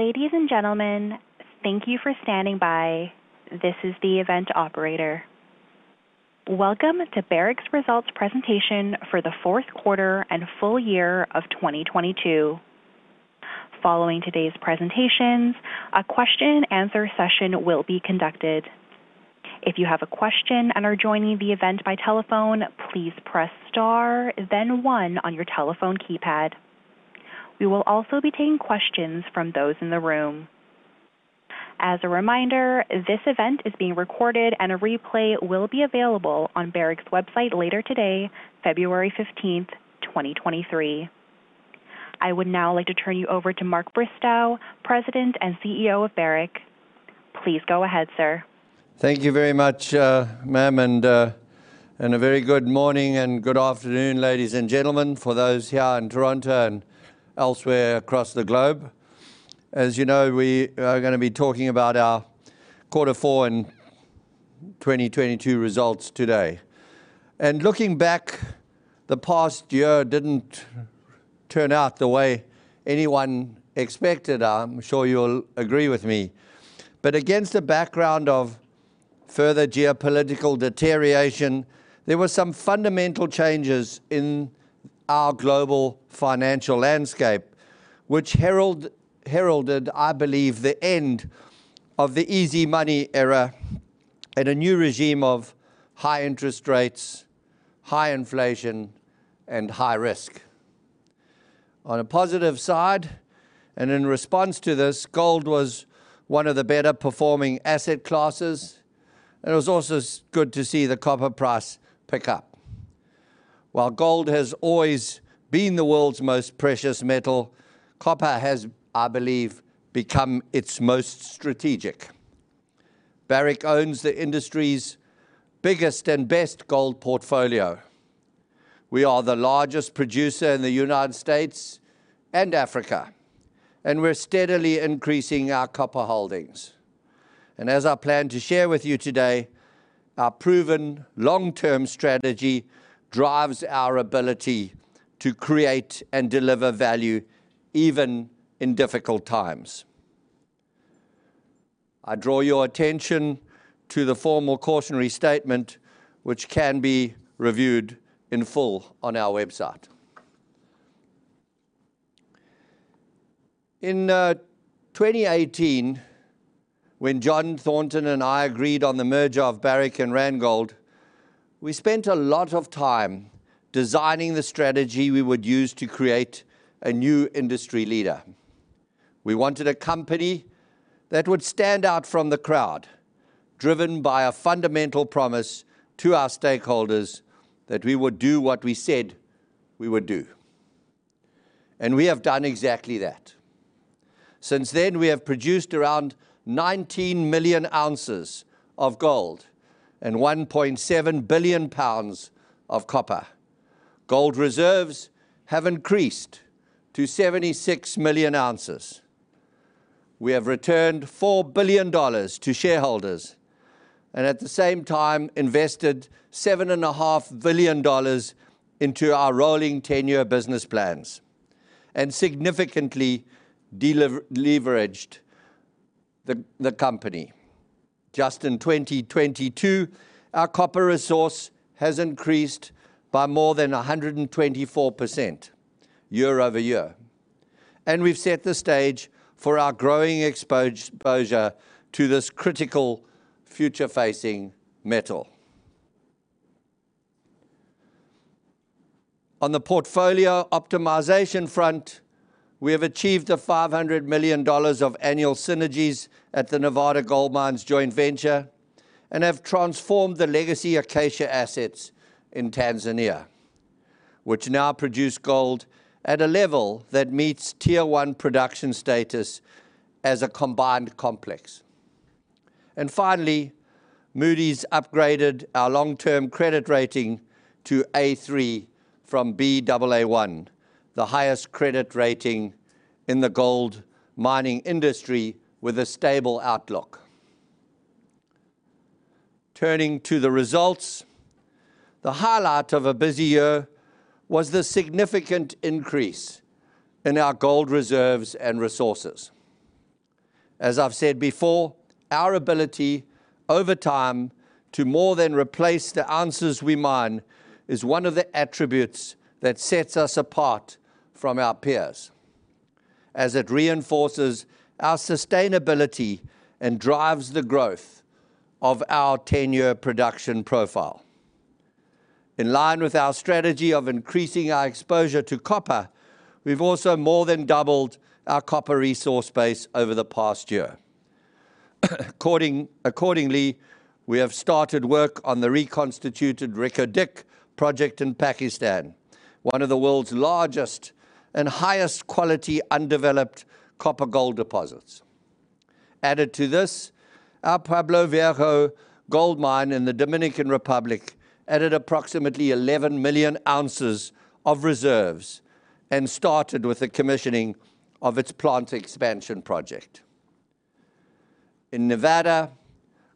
Ladies and gentlemen, thank you for standing by. This is the event operator. Welcome to Barrick's results presentation for the fourth quarter and full year of 2022. Following today's presentations, a question answer session will be conducted. If you have a question and are joining the event by telephone, please press star then one on your telephone keypad. We will also be taking questions from those in the room. As a reminder, this event is being recorded and a replay will be available on Barrick's website later today, February 15th, 2023. I would now like to turn you over to Mark Bristow, President and CEO of Barrick. Please go ahead, sir. Thank you very much, ma'am, and a very good morning and good afternoon, ladies and gentlemen, for those here in Toronto and elsewhere across the globe. As you know, we are going to be talking about our quarter four and 2022 results today. Looking back, the past year didn't turn out the way anyone expected. I'm sure you'll agree with me. Against a background of further geopolitical deterioration, there were some fundamental changes in our global financial landscape, which heralded, I believe, the end of the easy money era and a new regime of high interest rates, high inflation, and high risk. On a positive side, in response to this, gold was one of the better performing asset classes. It was also good to see the copper price pick up. While gold has always been the world's most precious metal, copper has, I believe, become its most strategic. Barrick owns the industry's biggest and best gold portfolio. We are the largest producer in the United States and Africa, we're steadily increasing our copper holdings. As I plan to share with you today, our proven long-term strategy drives our ability to create and deliver value even in difficult times. I draw your attention to the formal cautionary statement which can be reviewed in full on our website. In 2018, when John Thornton and I agreed on the merger of Barrick and Randgold, we spent a lot of time designing the strategy we would use to create a new industry leader. We wanted a company that would stand out from the crowd, driven by a fundamental promise to our stakeholders that we would do what we said we would do. We have done exactly that. Since then, we have produced around 19 million ounces of gold and 1.7 billion pounds of copper. Gold reserves have increased to 76 million ounces. We have returned $4 billion to shareholders and at the same time invested seven and a half billion dollars into our rolling tenure business plans and significantly leveraged the company. Just in 2022, our copper resource has increased by more than 124% year-over-year, and we've set the stage for our growing exposure to this critical future-facing metal. On the portfolio optimization front, we have achieved the $500 million of annual synergies at the Nevada Gold Mines joint venture and have transformed the legacy Acacia assets in Tanzania, which now produce gold at a level that meets Tier One production status as a combined complex. Finally, Moody's upgraded our long-term credit rating to A3 from Baa1, the highest credit rating in the gold mining industry with a stable outlook. Turning to the results, the highlight of a busy year was the significant increase in our gold reserves and resources. As I've said before, our ability over time to more than replace the ounces we mine is one of the attributes that sets us apart from our peers, as it reinforces our sustainability and drives the growth of our tenure production profile. In line with our strategy of increasing our exposure to copper, we've also more than doubled our copper resource base over the past year. Accordingly, we have started work on the reconstituted Reko Diq project in Pakistan, one of the world's largest and highest quality undeveloped copper gold deposits. Added to this, our Pueblo Viejo gold mine in the Dominican Republic added approximately 11 million ounces of reserves and started with the commissioning of its plant expansion project. In Nevada,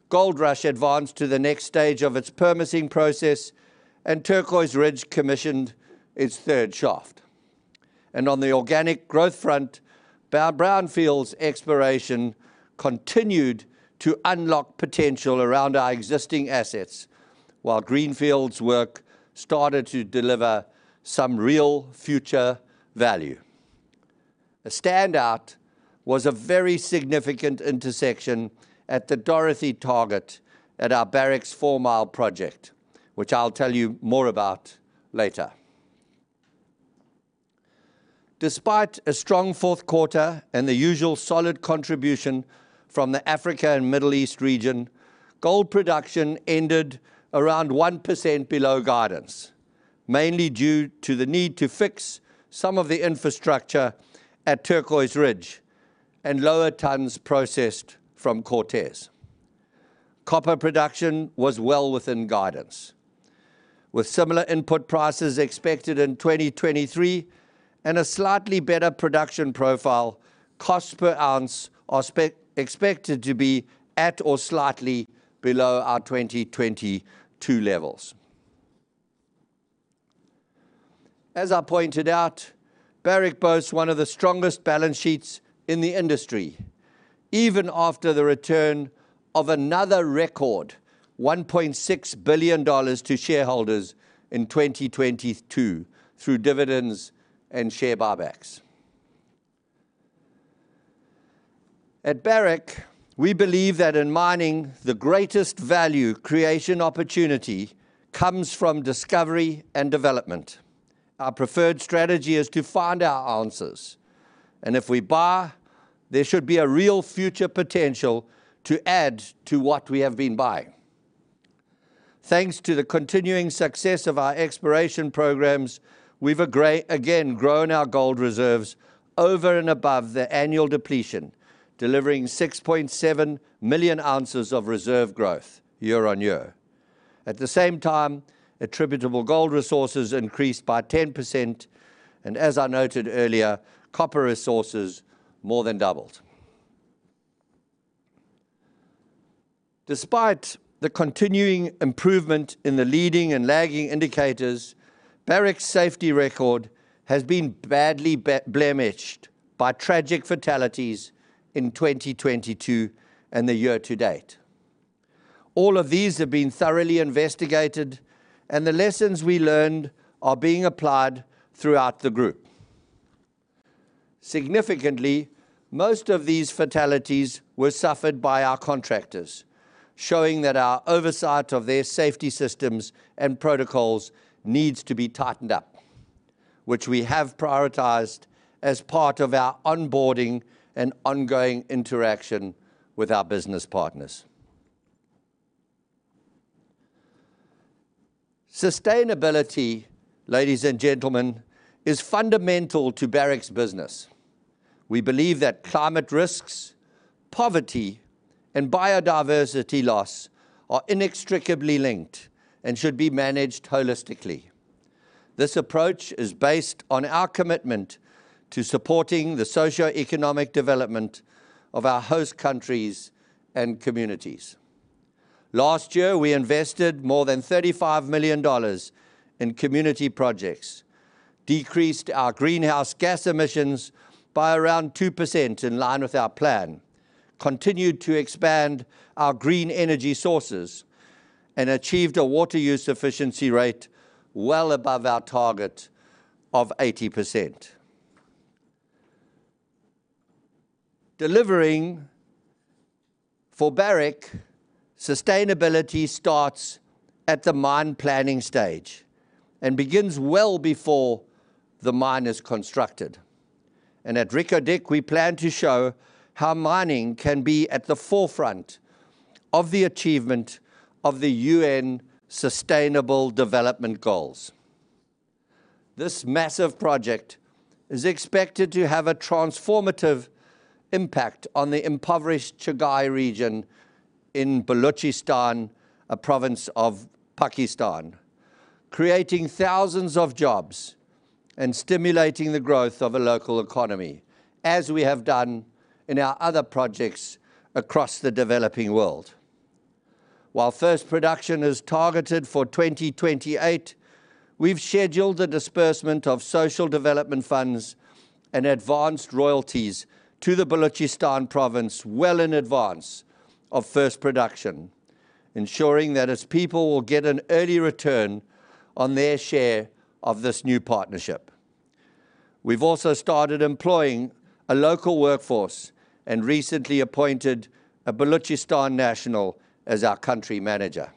Gold Rush advanced to the next stage of its permitting process and Turquoise Ridge commissioned its third shaft. On the organic growth front, brownfield exploration continued to unlock potential around our existing assets, while greenfield work started to deliver some real future value. A standout was a very significant intersection at the Dorothy target at our Barrick's Fourmile Project, which I'll tell you more about later. Despite a strong fourth quarter and the usual solid contribution from the Africa and Middle East region, gold production ended around 1% below guidance, mainly due to the need to fix some of the infrastructure at Turquoise Ridge and lower tons processed from Cortez. Copper production was well within guidance. With similar input prices expected in 2023 and a slightly better production profile, cost per ounce are expected to be at or slightly below our 2022 levels. As I pointed out, Barrick boasts one of the strongest balance sheets in the industry, even after the return of another record, $1.6 billion to shareholders in 2022 through dividends and share buybacks. At Barrick, we believe that in mining, the greatest value creation opportunity comes from discovery and development. Our preferred strategy is to find our ounces. If we buy, there should be a real future potential to add to what we have been buying. Thanks to the continuing success of our exploration programs, we've grown our gold reserves over and above the annual depletion, delivering 6.7 million ounces of reserve growth year-on-year. At the same time, attributable gold resources increased by 10%. As I noted earlier, copper resources more than doubled. Despite the continuing improvement in the leading and lagging indicators, Barrick's safety record has been badly blemished by tragic fatalities in 2022 and the year to date. All of these have been thoroughly investigated. The lessons we learned are being applied throughout the group. Significantly, most of these fatalities were suffered by our contractors, showing that our oversight of their safety systems and protocols needs to be tightened up, which we have prioritized as part of our onboarding and ongoing interaction with our business partners. Sustainability, ladies and gentlemen, is fundamental to Barrick's business. We believe that climate risks, poverty, and biodiversity loss are inextricably linked and should be managed holistically. This approach is based on our commitment to supporting the socioeconomic development of our host countries and communities. Last year, we invested more than $35 million in community projects, decreased our greenhouse gas emissions by around 2% in line with our plan, continued to expand our green energy sources, and achieved a water use efficiency rate well above our target of 80%. Delivering for Barrick sustainability starts at the mine planning stage and begins well before the mine is constructed. At Reko Diq, we plan to show how mining can be at the forefront of the achievement of the UN Sustainable Development Goals. This massive project is expected to have a transformative impact on the impoverished Chagai region in Balochistan, a province of Pakistan, creating thousands of jobs and stimulating the growth of a local economy, as we have done in our other projects across the developing world. While first production is targeted for 2028, we've scheduled the disbursement of social development funds and advanced royalties to the Balochistan province well in advance of first production, ensuring that its people will get an early return on their share of this new partnership. We've also started employing a local workforce and recently appointed a Balochistan national as our country manager.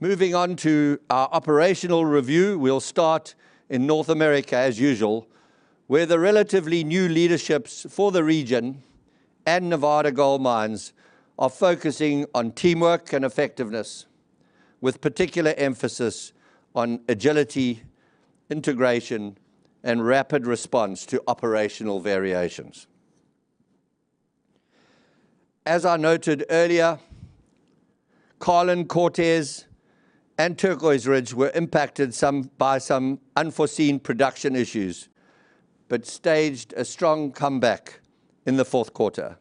Moving on to our operational review, we'll start in North America as usual, where the relatively new leaderships for the region and Nevada Gold Mines are focusing on teamwork and effectiveness with particular emphasis on agility, integration, and rapid response to operational variations. As I noted earlier, Carlin Cortez and Turquoise Ridge were impacted by some unforeseen production issues, but staged a strong comeback in the fourth quarter.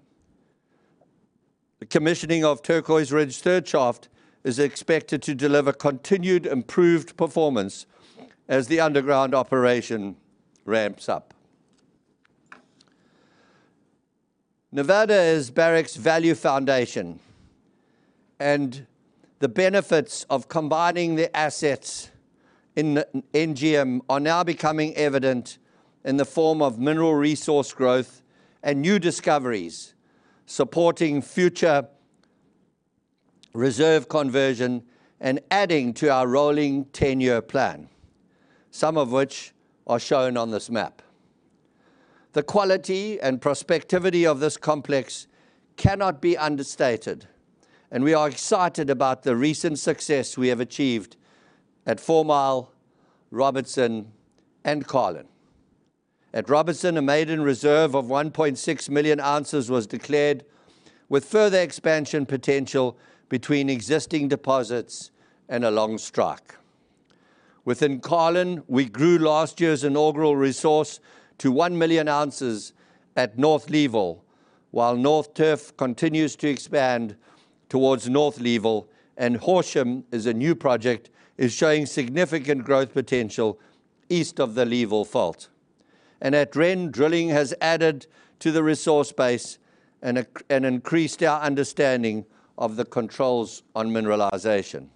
The commissioning of Turquoise Ridge third shaft is expected to deliver continued improved performance as the underground operation ramps up. Nevada is Barrick's value foundation, and the benefits of combining the assets in NGM are now becoming evident in the form of mineral resource growth and new discoveries, supporting future reserve conversion and adding to our rolling ten-year plan, some of which are shown on this map. The quality and prospectivity of this complex cannot be understated, and we are excited about the recent success we have achieved at Fourmile, Robertson and Carlin. At Robertson, a maiden reserve of 1.6 million ounces was declared with further expansion potential between existing deposits and a long strike. Within Carlin, we grew last year's inaugural resource to 1 million ounces at North Leeville, while North Turf continues to expand towards North Leeville. Horsham is a new project, is showing significant growth potential east of the Leeville fault. At Ren, drilling has added to the resource base and increased our understanding of the controls on mineralization.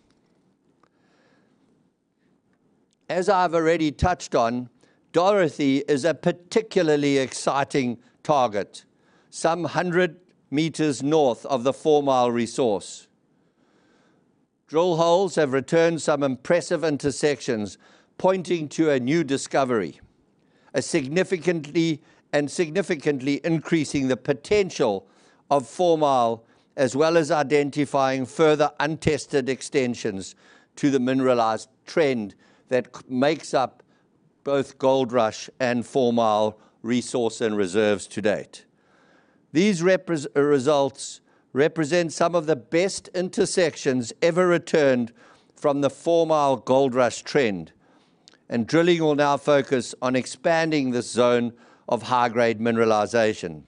As I've already touched on, Dorothy is a particularly exciting target, some 100 meters north of the Fourmile resource. Drill holes have returned some impressive intersections pointing to a new discovery, and significantly increasing the potential of Fourmile, as well as identifying further untested extensions to the mineralized trend that makes up both Goldrush and Fourmile resource and reserves to date. These results represent some of the best intersections ever returned from the Fourmile Goldrush trend, and drilling will now focus on expanding this zone of high-grade mineralization.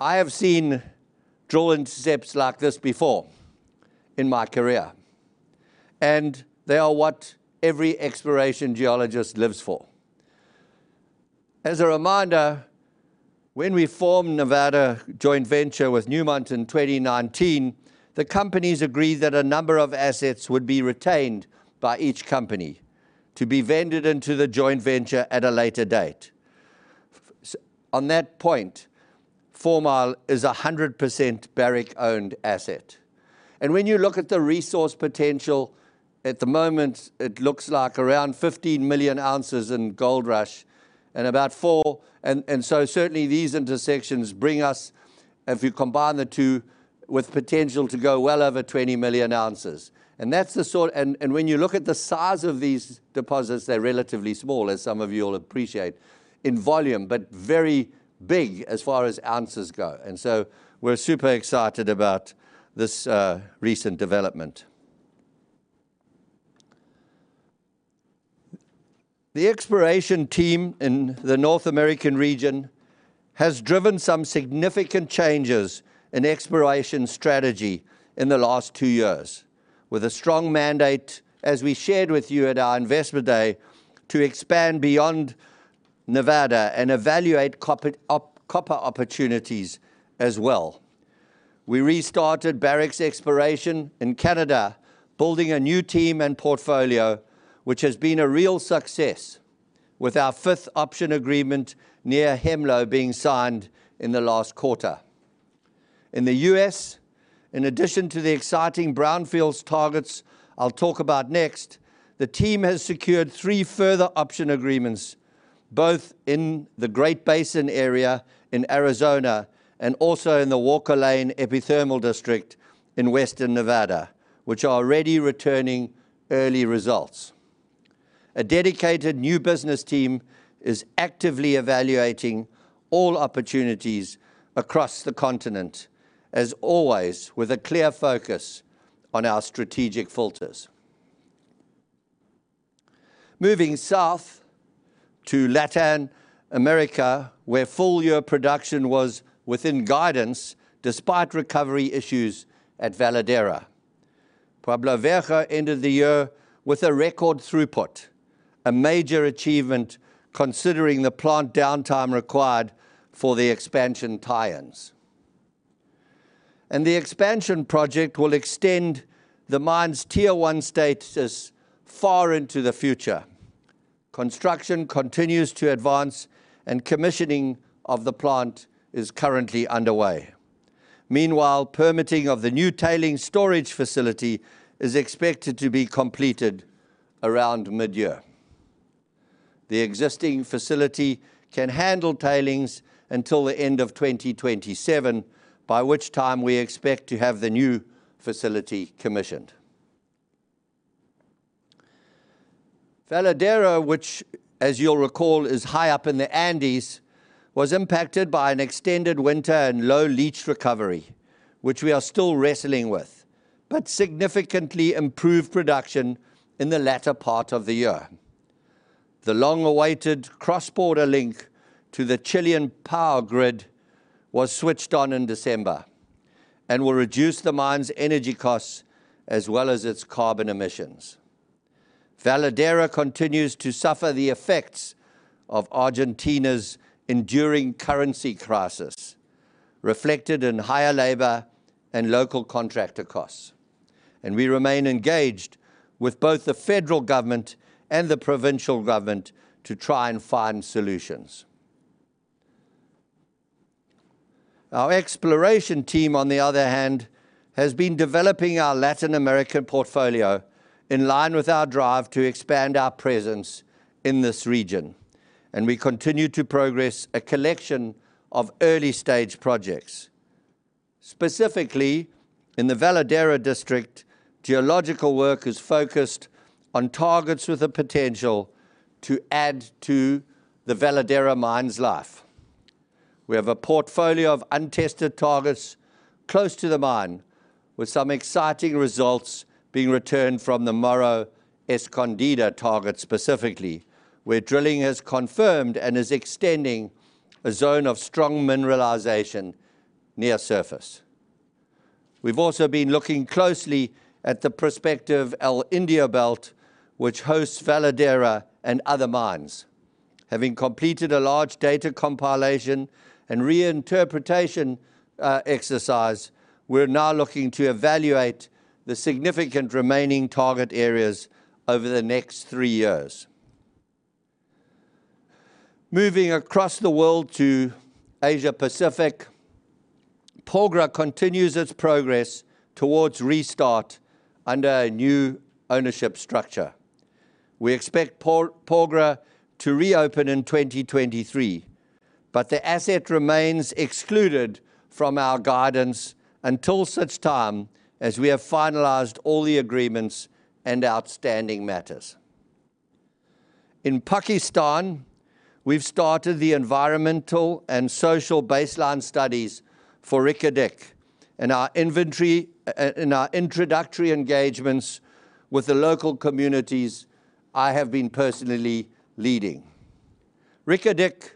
I have seen drill intercepts like this before in my career, and they are what every exploration geologist lives for. As a reminder, when we formed Nevada Gold Mines with Newmont in 2019, the companies agreed that a number of assets would be retained by each company to be vended into the joint venture at a later date. On that point, Fourmile is a 100% Barrick-owned asset. When you look at the resource potential, at the moment it looks like around 15 million ounces in Goldrush certainly these intersections bring us, if you combine the two, with potential to go well over 20 million ounces. When you look at the size of these deposits, they're relatively small, as some of you will appreciate, in volume, but very big as far as ounces go. We're super excited about this recent development. The exploration team in the North American Region has driven some significant changes in exploration strategy in the last two years, with a strong mandate, as we shared with you at our Investment Day, to expand beyond Nevada and evaluate copper opportunities as well. We restarted Barrick's exploration in Canada, building a new team and portfolio, which has been a real success with our fifth option agreement near Hemlo being signed in the last quarter. In the U.S., in addition to the exciting brownfields targets I'll talk about next, the team has secured three further option agreements, both in the Great Basin area in Arizona and also in the Walker Lane Epithermal District in western Nevada, which are already returning early results. A dedicated new business team is actively evaluating all opportunities across the continent, as always, with a clear focus on our strategic filters. Moving south to Latin America, where full year production was within guidance despite recovery issues at Veladero. Pueblo Viejo ended the year with a record throughput, a major achievement considering the plant downtime required for the expansion tie-ins. The expansion project will extend the mine's Tier One status far into the future. Construction continues to advance and commissioning of the plant is currently underway. Meanwhile, permitting of the new tailings storage facility is expected to be completed around mid-year. The existing facility can handle tailings until the end of 2027, by which time we expect to have the new facility commissioned. Veladero, which as you'll recall, is high up in the Andes, was impacted by an extended winter and low leach recovery, which we are still wrestling with, but significantly improved production in the latter part of the year. The long-awaited cross-border link to the Chilean power grid was switched on in December and will reduce the mine's energy costs as well as its carbon emissions. Veladero continues to suffer the effects of Argentina's enduring currency crisis, reflected in higher labor and local contractor costs. We remain engaged with both the federal government and the provincial government to try and find solutions. Our exploration team, on the other hand, has been developing our Latin American portfolio in line with our drive to expand our presence in this region, and we continue to progress a collection of early-stage projects. Specifically, in the Veladero District, geological work is focused on targets with the potential to add to the Veladero Mine's life. We have a portfolio of untested targets close to the mine, with some exciting results being returned from the Morro Escondida target specifically, where drilling has confirmed and is extending a zone of strong mineralization near surface. We've also been looking closely at the prospective El Indio Belt, which hosts Veladero and other mines. Having completed a large data compilation and reinterpretation exercise, we're now looking to evaluate the significant remaining target areas over the next three years. Moving across the world to Asia-Pacific, Porgera continues its progress towards restart under a new ownership structure. We expect Porgera to reopen in 2023, the asset remains excluded from our guidance until such time as we have finalized all the agreements and outstanding matters. In Pakistan, we've started the environmental and social baseline studies for Reko Diq and our introductory engagements with the local communities I have been personally leading. Reko Diq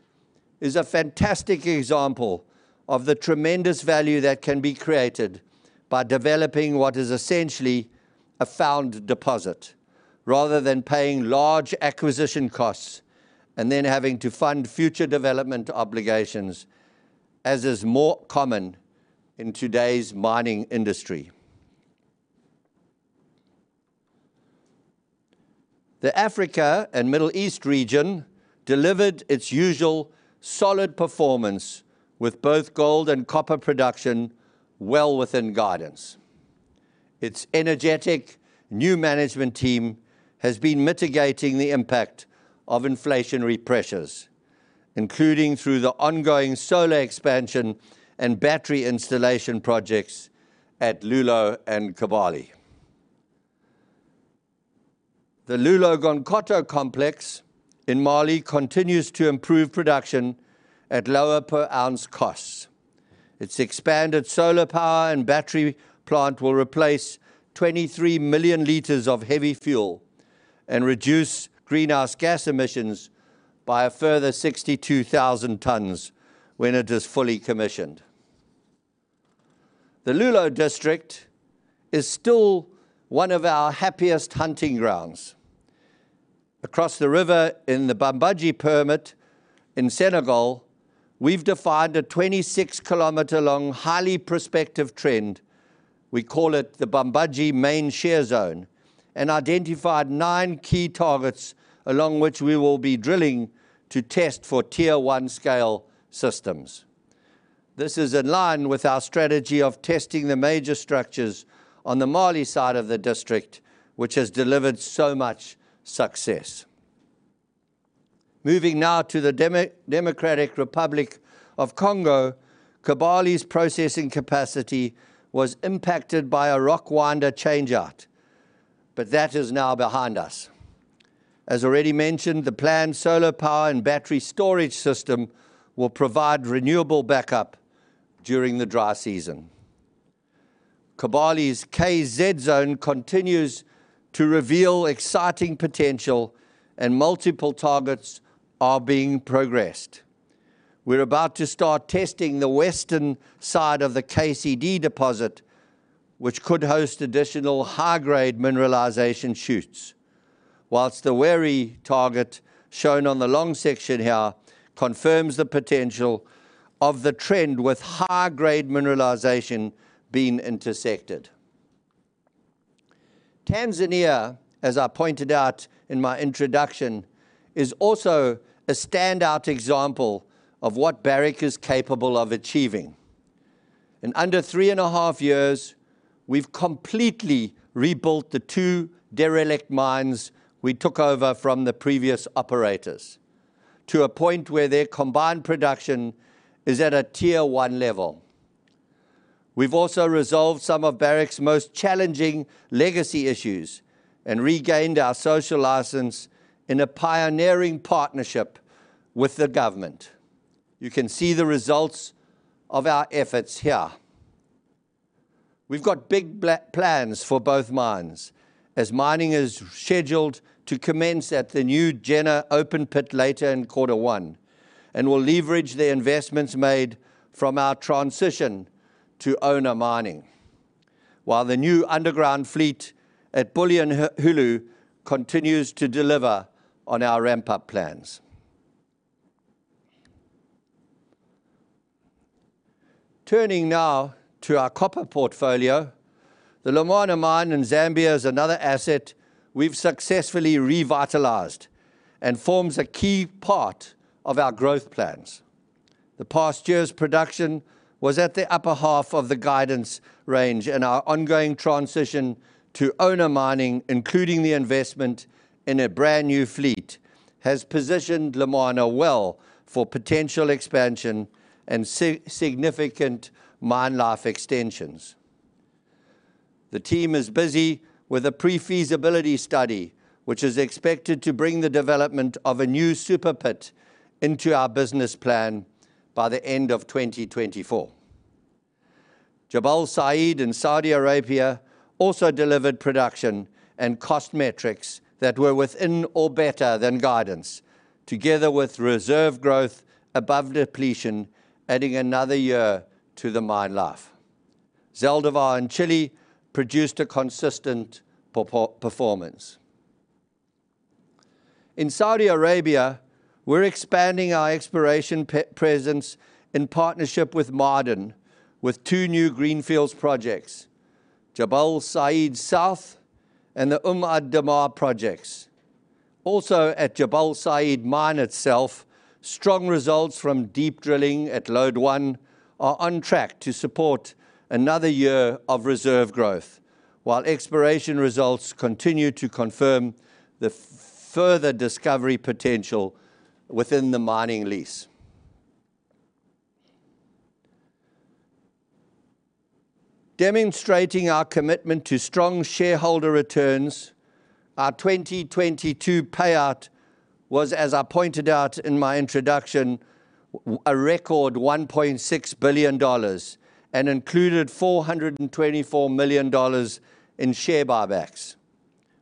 is a fantastic example of the tremendous value that can be created by developing what is essentially a found deposit, rather than paying large acquisition costs and then having to fund future development obligations, as is more common in today's mining industry. The Africa and Middle East region delivered its usual solid performance with both gold and copper production well within guidance. Its energetic new management team has been mitigating the impact of inflationary pressures, including through the ongoing solar expansion and battery installation projects at Loulo and Kibali. The Loulo-Gounkoto complex in Mali continues to improve production at lower per-ounce costs. Its expanded solar power and battery plant will replace 23 million liters of heavy fuel and reduce greenhouse gas emissions by a further 62,000 tonnes when it is fully commissioned. The Loulo district is still one of our happiest hunting grounds. Across the river in the Bambadji permit in Senegal, we've defined a 26-km-long, highly prospective trend, we call it the Bambadji Main Shear Zone, and identified nine key targets along which we will be drilling to test for Tier One scale systems. This is in line with our strategy of testing the major structures on the Mali side of the district, which has delivered so much success. Moving now to the Democratic Republic of Congo, Kibali's processing capacity was impacted by a rock winder change-out. That is now behind us. As already mentioned, the planned solar power and battery storage system will provide renewable backup during the dry season. Kibali's KZ zone continues to reveal exciting potential. Multiple targets are being progressed. We're about to start testing the western side of the KCD deposit, which could host additional high-grade mineralization shoots. The Wari target, shown on the long section here, confirms the potential of the trend with high-grade mineralization being intersected. Tanzania, as I pointed out in my introduction, is also a standout example of what Barrick is capable of achieving. In under 3.5 years, we've completely rebuilt the two derelict mines we took over from the previous operators to a point where their combined production is at a Tier One level. We've also resolved some of Barrick's most challenging legacy issues and regained our social license in a pioneering partnership with the government. You can see the results of our efforts here. We've got big plans for both mines as mining is scheduled to commence at the new Gena open pit later in quarter one and will leverage the investments made from our transition to owner mining. While the new underground fleet at Bulyanhulu continues to deliver on our ramp-up plans. Turning now to our copper portfolio, the Lumwana mine in Zambia is another asset we've successfully revitalized and forms a key part of our growth plans. The past year's production was at the upper half of the guidance range, and our ongoing transition to owner mining, including the investment in a brand-new fleet, has positioned Lumwana well for potential expansion and significant mine life extensions. The team is busy with a pre-feasibility study, which is expected to bring the development of a new super pit into our business plan by the end of 2024. Jabal Sayid in Saudi Arabia also delivered production and cost metrics that were within or better than guidance, together with reserve growth above depletion, adding another year to the mine life. Zaldívar in Chile produced a consistent performance. In Saudi Arabia, we're expanding our exploration presence in partnership with Ma'aden with two new greenfields projects, Jabal Sayid South and the Umm Ad Damar projects. Also at Jabal Sayid mine itself, strong results from deep drilling at Lode one are on track to support another year of reserve growth, while exploration results continue to confirm the further discovery potential within the mining lease. Demonstrating our commitment to strong shareholder returns, our 2022 payout was, as I pointed out in my introduction, a record $1.6 billion and included $424 million in share buybacks.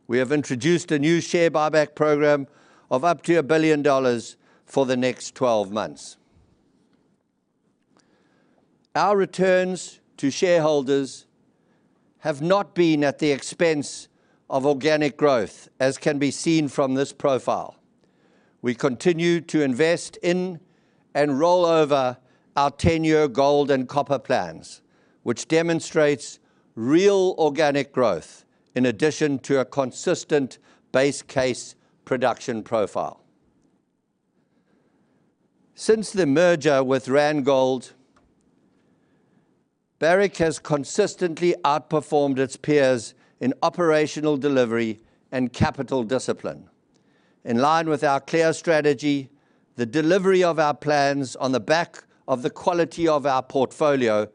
We have introduced a new share buyback program of up to $1 billion for the next 12 months. Our returns to shareholders have not been at the expense of organic growth, as can be seen from this profile. We continue to invest in and roll over our 10-year gold and copper plans, which demonstrates real organic growth in addition to a consistent base case production profile. Since the merger with Randgold, Barrick has consistently outperformed its peers in operational delivery and capital discipline. In line with our clear strategy, the delivery of our plans on the back of the quality of our portfolio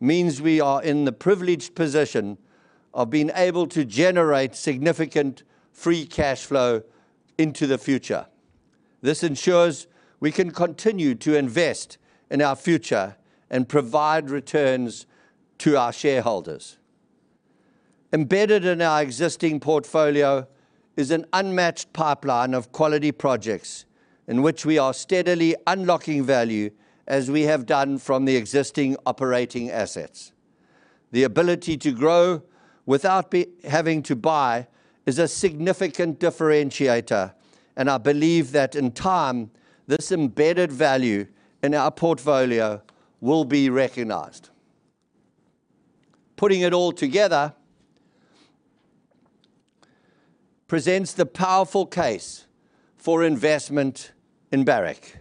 means we are in the privileged position of being able to generate significant free cash flow into the future. This ensures we can continue to invest in our future and provide returns to our shareholders. Embedded in our existing portfolio is an unmatched pipeline of quality projects in which we are steadily unlocking value as we have done from the existing operating assets. The ability to grow without having to buy is a significant differentiator. I believe that in time, this embedded value in our portfolio will be recognized. Putting it all together presents the powerful case for investment in Barrick.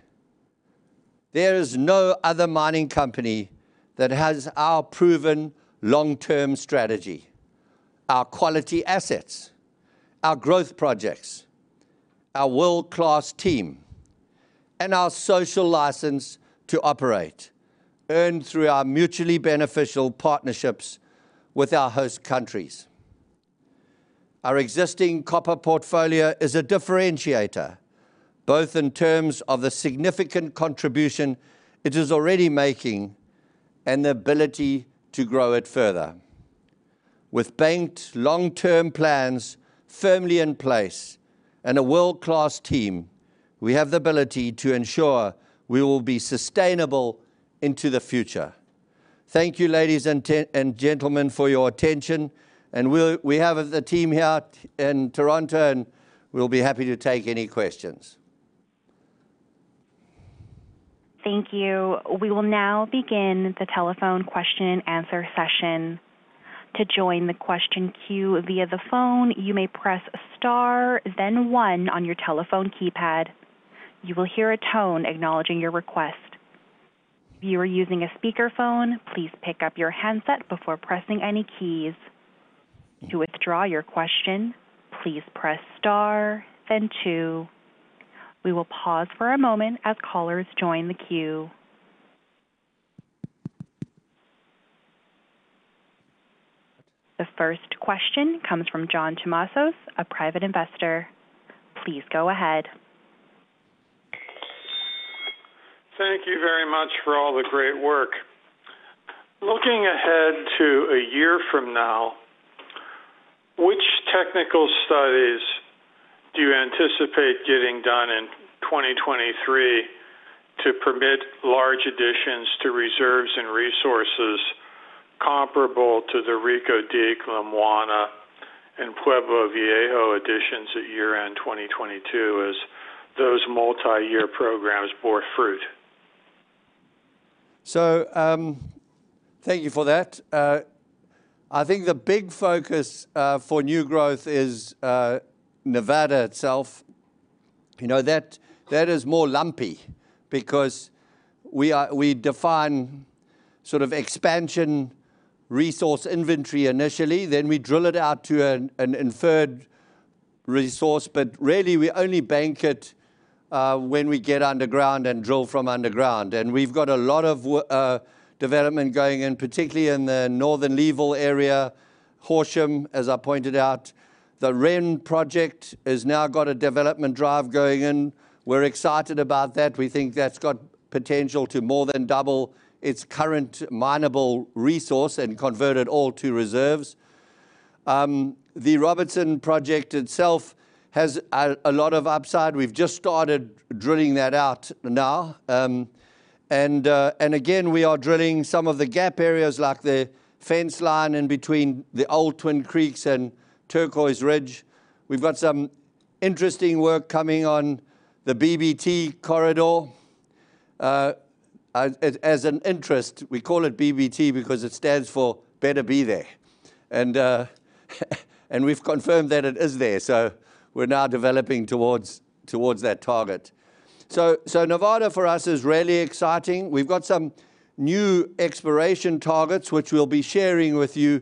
There is no other mining company that has our proven long-term strategy, our quality assets, our growth projects, our world-class team, and our social license to operate, earned through our mutually beneficial partnerships with our host countries. Our existing copper portfolio is a differentiator, both in terms of the significant contribution it is already making and the ability to grow it further. With banked long-term plans firmly in place and a world-class team, we have the ability to ensure we will be sustainable into the future. Thank you, ladies and gentlemen, for your attention. We have the team here in Toronto, and we'll be happy to take any questions. Thank you. We will now begin the telephone question and answer session. To join the question queue via the phone, you may press star then one on your telephone keypad. You will hear a tone acknowledging your request. If you are using a speakerphone, please pick up your handset before pressing any keys. To withdraw your question, please press star then two. We will pause for a moment as callers join the queue. The first question comes from John Tumazos, a private investor. Please go ahead. Thank you very much for all the great work. Looking ahead to a year from now, which technical studies do you anticipate getting done in 2023 to permit large additions to reserves and resources comparable to the Reko Diq, Lumwana, and Pueblo Viejo additions at year-end 2022 as those multi-year programs bore fruit? Thank you for that. I think the big focus for new growth is Nevada itself. You know, that is more lumpy because we define sort of expansion resource inventory initially, then we drill it out to an inferred resource. Really we only bank it when we get underground and drill from underground. We've got a lot of development going in, particularly in the northern Leeville area, Horsham, as I pointed out. The Ren project has now got a development drive going in. We're excited about that. We think that's got potential to more than double its current mine-able resource and convert it all to reserves. The Robertson project itself has a lot of upside. We've just started drilling that out now. Again, we are drilling some of the gap areas like the fence line in between the old Twin Creeks and Turquoise Ridge. We've got some interesting work coming on the BBT corridor. We call it BBT because it stands for better be there. We've confirmed that it is there. We're now developing towards that target. Nevada for us is really exciting. We've got some new exploration targets, which we'll be sharing with you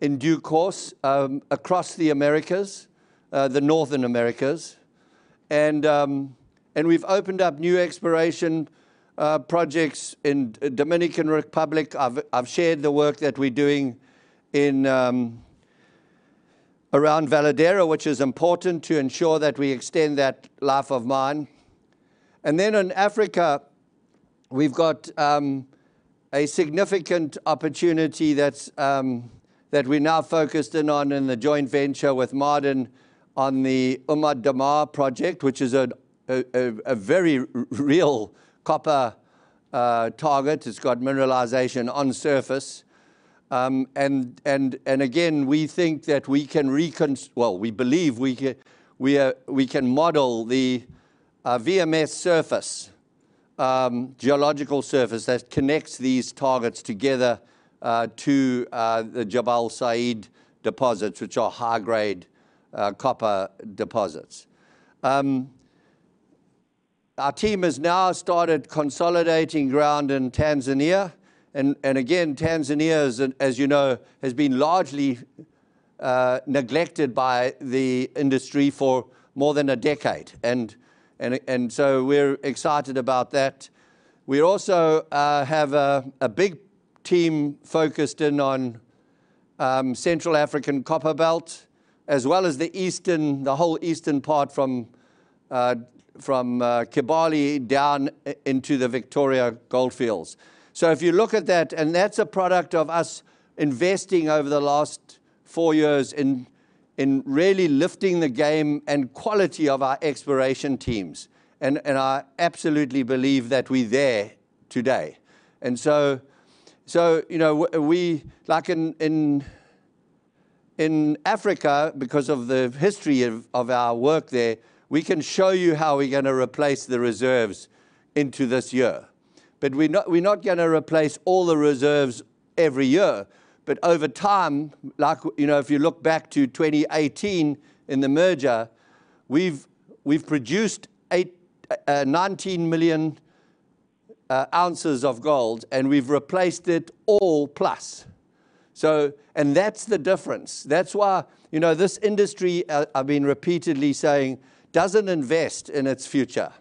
in due course, across the Americas, the Northern Americas. We've opened up new exploration projects in Dominican Republic. I've shared the work that we're doing in around Veladero, which is important to ensure that we extend that life of mine. In Africa, we've got a significant opportunity that's that we're now focused in on in the joint venture with Ma'aden on the Umm Ad Damar project, which is a very real copper target. It's got mineralization on surface. Again, we think that we can well, we believe we can model the VMS surface, geological surface that connects these targets together to the Jabal Sayid deposits, which are high-grade copper deposits. Our team has now started consolidating ground in Tanzania. Again, Tanzania is, as you know, has been largely neglected by the industry for more than a decade. So we're excited about that. We also have a big team focused in on Central African Copper Belt, as well as the Eastern, the whole eastern part from Kibali down into the Victoria Goldfields. If you look at that's a product of us investing over the last four years in really lifting the game and quality of our exploration teams. I absolutely believe that we're there today. You know, like in Africa, because of the history of our work there, we can show you how we're gonna replace the reserves into this year. We're not gonna replace all the reserves every year. Over time, like, you know, if you look back to 2018 in the merger, we've produced 19 million ounces of gold, and we've replaced it all plus. That's the difference. That's why, you know, this industry, I've been repeatedly saying, doesn't invest in its future.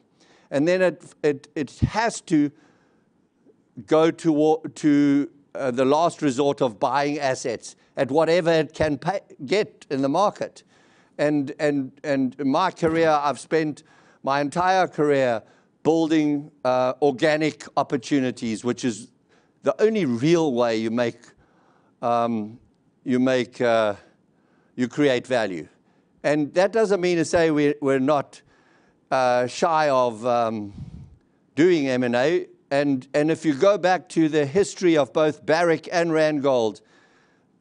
It has to go to the last resort of buying assets at whatever it can get in the market. In my career, I've spent my entire career building organic opportunities, which is the only real way you make, you create value. That doesn't mean to say we're not shy of doing M&A. If you go back to the history of both Barrick and Randgold,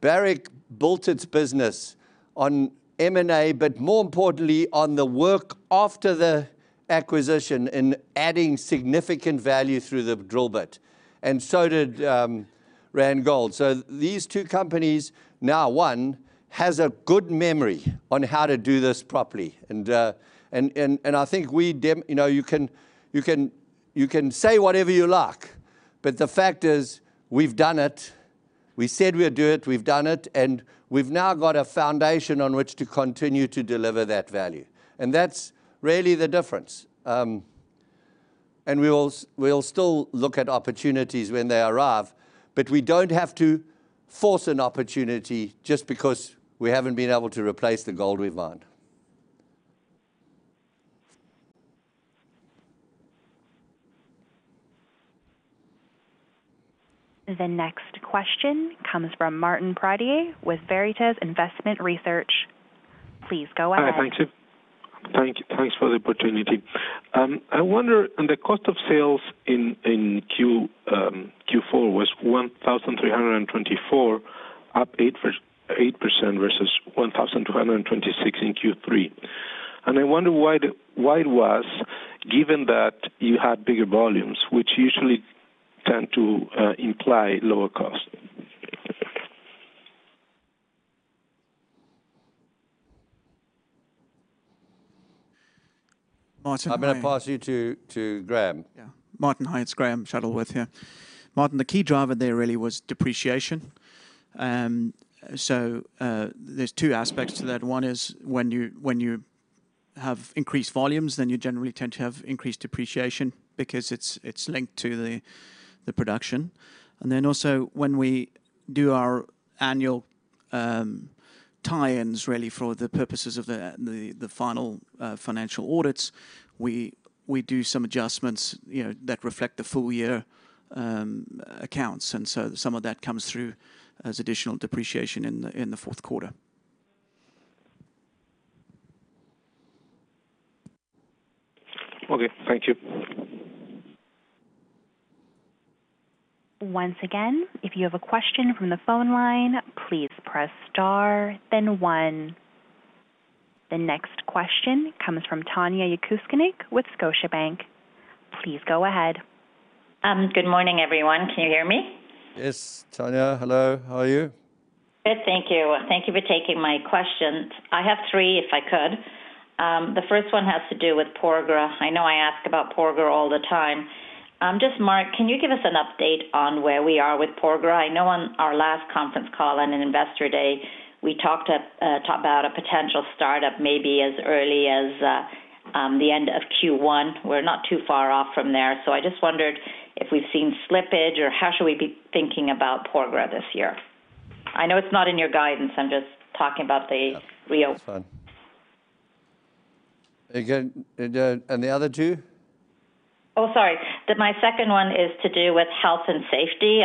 Barrick built its business on M&A, but more importantly, on the work after the acquisition and adding significant value through the drill bit, and so did Randgold. These two companies, now one, has a good memory on how to do this properly. I think we, you know, you can say whatever you like. But the fact is we've done it. We said we'll do it, we've done it, and we've now got a foundation on which to continue to deliver that value. That's really the difference. We'll still look at opportunities when they arrive, but we don't have to force an opportunity just because we haven't been able to replace the gold we've mined. The next question comes from Martin Pradier with Veritas Investment Research. Please go ahead. Hi. Thank you. Thanks for the opportunity. I wonder on the cost of sales in Q4 was $1,324, up 8% versus $1,226 in Q3. I wonder why it was given that you had bigger volumes, which usually tend to imply lower cost? Martin, I'm gonna pass you to Graham. Yeah. Martin, hi, it's Graham Shuttleworth here. Martin, the key driver there really was depreciation. There's two aspects to that. One is when you have increased volumes, then you generally tend to have increased depreciation because it's linked to the production. Also, when we do our annual tie-ins really for the purposes of the final financial audits, we do some adjustments, you know, that reflect the full year accounts. Some of that comes through as additional depreciation in the fourth quarter. Okay. Thank you. Once again, if you have a question from the phone line, please press star then one. The next question comes from Tanya Jakusconek with Scotiabank. Please go ahead. Good morning, everyone. Can you hear me? Yes. Tanya. Hello. How are you? Good, thank you. Thank you for taking my questions. I have three if I could. The first one has to do with Porgera. I know I ask about Porgera all the time. Just Mark, can you give us an update on where we are with Porgera? I know on our last conference call and in Investor Day, we talked about a potential startup maybe as early as the end of Q1. We're not too far off from there. I just wondered if we've seen slippage or how should we be thinking about Porgera this year? I know it's not in your guidance, I'm just talking about the real- Yeah. That's fine. Again, the other two? Sorry. My second one is to do with health and safety.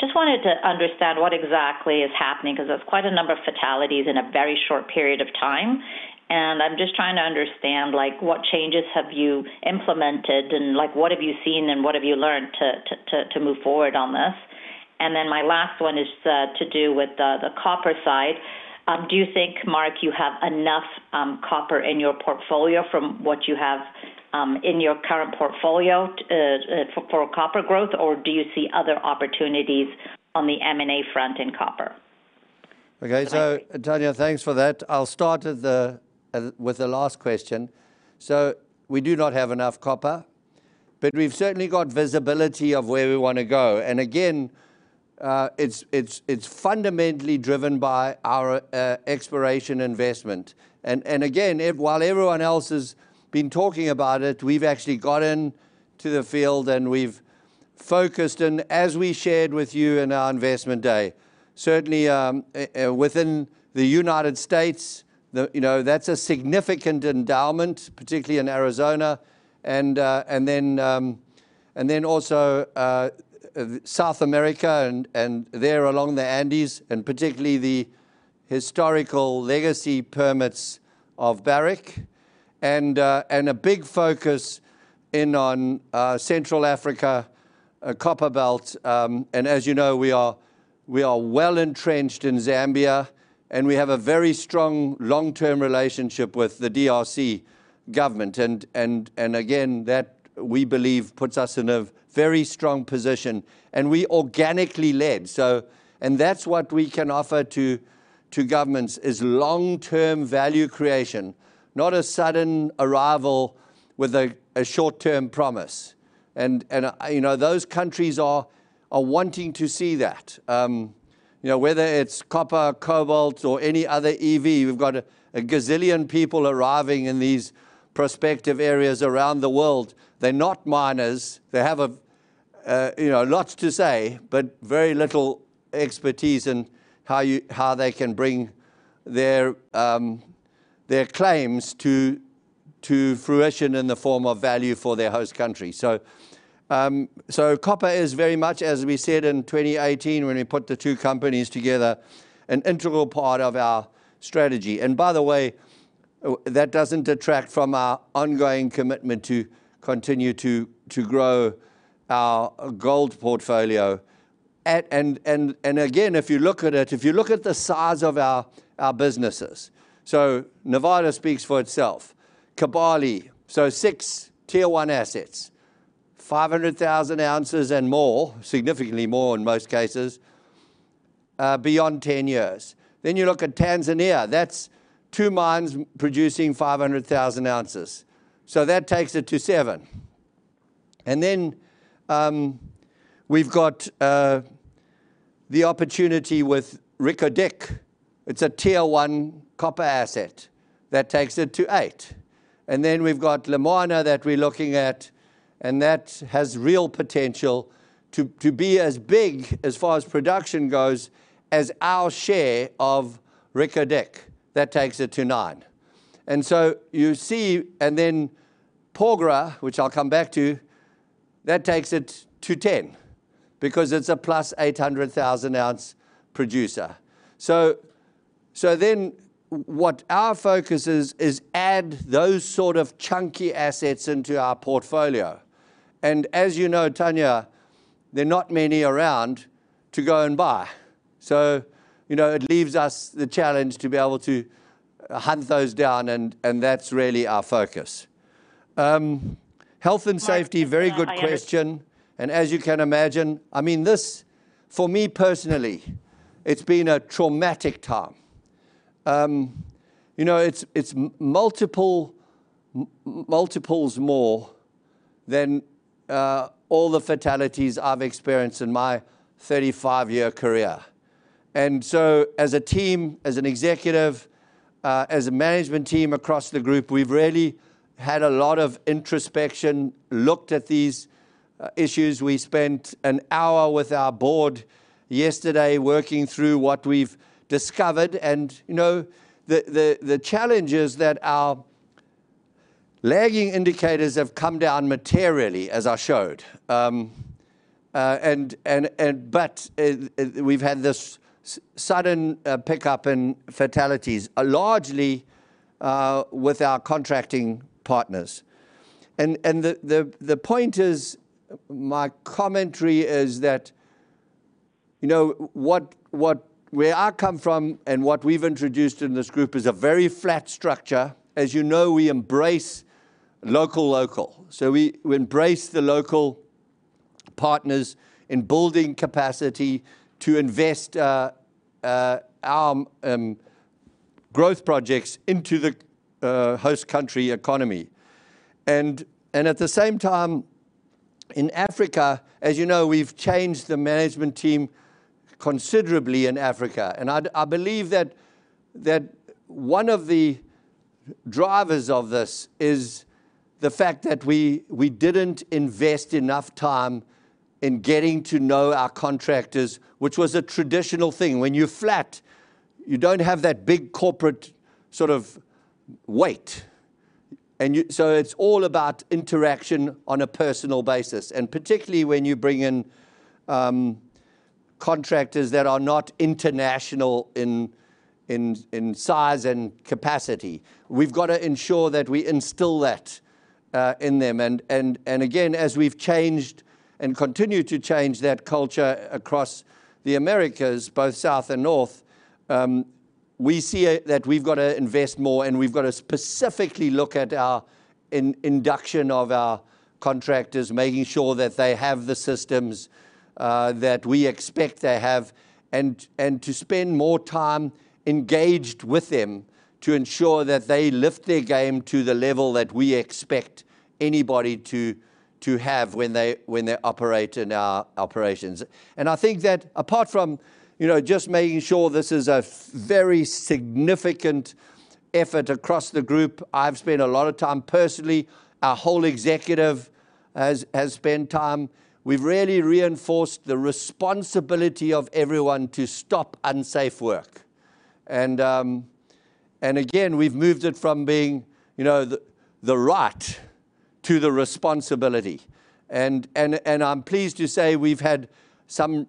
Just wanted to understand what exactly is happening 'cause there's quite a number of fatalities in a very short period of time. I'm just trying to understand like what changes have you implemented and like what have you seen and what have you learned to move forward on this. My last one is to do with the copper side. Do you think, Mark, you have enough copper in your portfolio from what you have in your current portfolio for copper growth, or do you see other opportunities on the M&A front in copper? Okay. Thank you. Tanya, thanks for that. I'll start with the last question. We do not have enough copper, but we've certainly got visibility of where we wanna go. Again, it's fundamentally driven by our exploration investment. Again, while everyone else has been talking about it, we've actually gotten to the field and we've focused, and as we shared with you in our investment day, certainly, you know, that's a significant endowment, particularly in Arizona, and then also South America and there along the Andes, and particularly the historical legacy permits of Barrick, and a big focus on Central Africa Copperbelt. As you know, we are well entrenched in Zambia, and we have a very strong long-term relationship with the DRC government. Again, that we believe puts us in a very strong position and we organically led. That's what we can offer to governments is long-term value creation, not a sudden arrival with a short-term promise. You know, those countries are wanting to see that. You know, whether it's copper, cobalt or any other EV, we've got a gazillion people arriving in these prospective areas around the world. They're not miners. They have, you know, lots to say, but very little expertise in how they can bring their claims to fruition in the form of value for their host country. Copper is very much, as we said in 2018 when we put the two companies together, an integral part of our strategy. By the way, that doesn't detract from our ongoing commitment to continue to grow our gold portfolio. Again, if you look at it, if you look at the size of our businesses, Nevada speaks for itself. Kibali, six Tier One assets, 500,000 ounces and more, significantly more in most cases, beyond 10 years. You look at Tanzania, that's two mines producing 500,000 ounces. That takes it to seven. We've got the opportunity with Reko Diq. It's a Tier One copper asset. That takes it to eight. We've got Lumwana that we're looking at, and that has real potential to be as big as far as production goes as our share of Reko Diq. That takes it to nine. You see. Porgera, which I'll come back to, that takes it to 10 because it's a plus 800,000 ounce producer. What our focus is add those sort of chunky assets into our portfolio. You know, Tanya, there are not many around to go and buy. You know, it leaves us the challenge to be able to hunt those down, and that's really our focus. Health and safety, very good question. You can imagine, I mean, this, for me personally, it's been a traumatic time. You know, it's multiples more than all the fatalities I've experienced in my 35-year career. As a team, as an executive, as a management team across the group, we've really had a lot of introspection, looked at these issues. We spent an hour with our board yesterday working through what we've discovered. You know, the challenges that our lagging indicators have come down materially, as I showed. But we've had this sudden pickup in fatalities, largely with our contracting partners. The point is, my commentary is that, you know, where I come from and what we've introduced in this group is a very flat structure. As you know, we embrace local. We embrace the local partners in building capacity to invest our growth projects into the host country economy. At the same time, in Africa, as you know, we've changed the management team considerably in Africa. I believe that one of the drivers of this is the fact that we didn't invest enough time in getting to know our contractors, which was a traditional thing. When you're flat, you don't have that big corporate sort of weight, it's all about interaction on a personal basis. Particularly when you bring in contractors that are not international in size and capacity. We've got to ensure that we instill that in them. Again, as we've changed and continue to change that culture across the Americas, both South and North, we see that we've got to invest more and we've got to specifically look at our in-induction of our contractors, making sure that they have the systems that we expect they have, and to spend more time engaged with them to ensure that they lift their game to the level that we expect anybody to have when they operate in our operations. I think that apart from, you know, just making sure this is a very significant effort across the group, I've spent a lot of time personally. Our whole executive has spent time. We've really reinforced the responsibility of everyone to stop unsafe work. Again, we've moved it from being, you know, the right to the responsibility. I'm pleased to say we've had some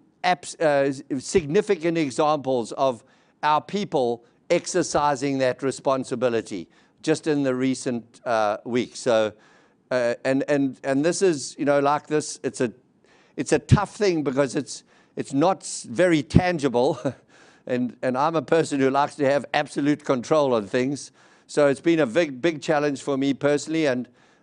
significant examples of our people exercising that responsibility just in the recent weeks. This is, you know, like this, it's a tough thing because it's not very tangible. I'm a person who likes to have absolute control of things. It's been a big challenge for me personally.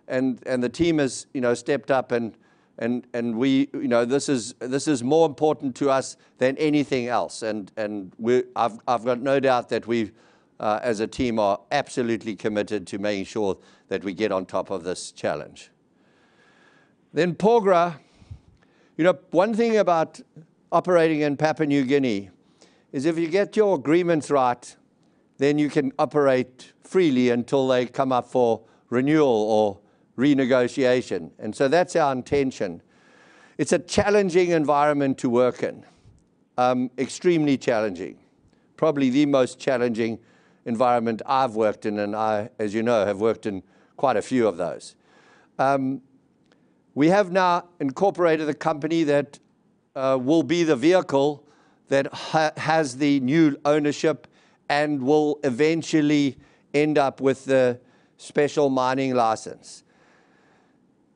The team has, you know, stepped up. You know, this is more important to us than anything else. I've got no doubt that we've, as a team are absolutely committed to making sure that we get on top of this challenge. Porgera. You know, one thing about operating in Papua New Guinea is if you get your agreements right, then you can operate freely until they come up for renewal or renegotiation. That's our intention. It's a challenging environment to work in. Extremely challenging. Probably the most challenging environment I've worked in. I, as you know, have worked in quite a few of those. We have now incorporated a company that will be the vehicle that has the new ownership and will eventually end up with the Special Mining Lease.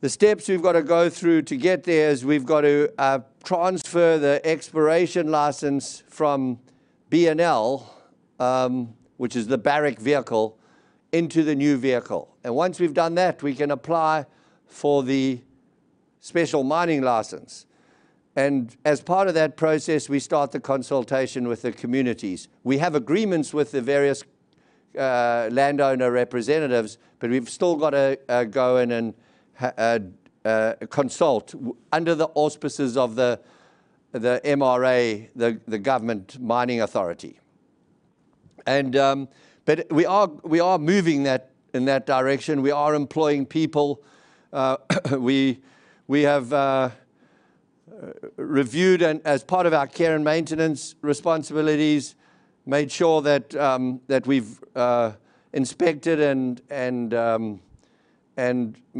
The steps we've got to go through to get there is we've got to transfer the exploration license from BNL, which is the Barrick vehicle, into the new vehicle. Once we've done that, we can apply for the Special Mining license. As part of that process, we start the consultation with the communities. We have agreements with the various landowner representatives, but we've still gotta go in and consult under the auspices of the MRA, the government mining authority. But we are moving that in that direction. We are employing people. We have reviewed and as part of our care and maintenance responsibilities, made sure that we've inspected and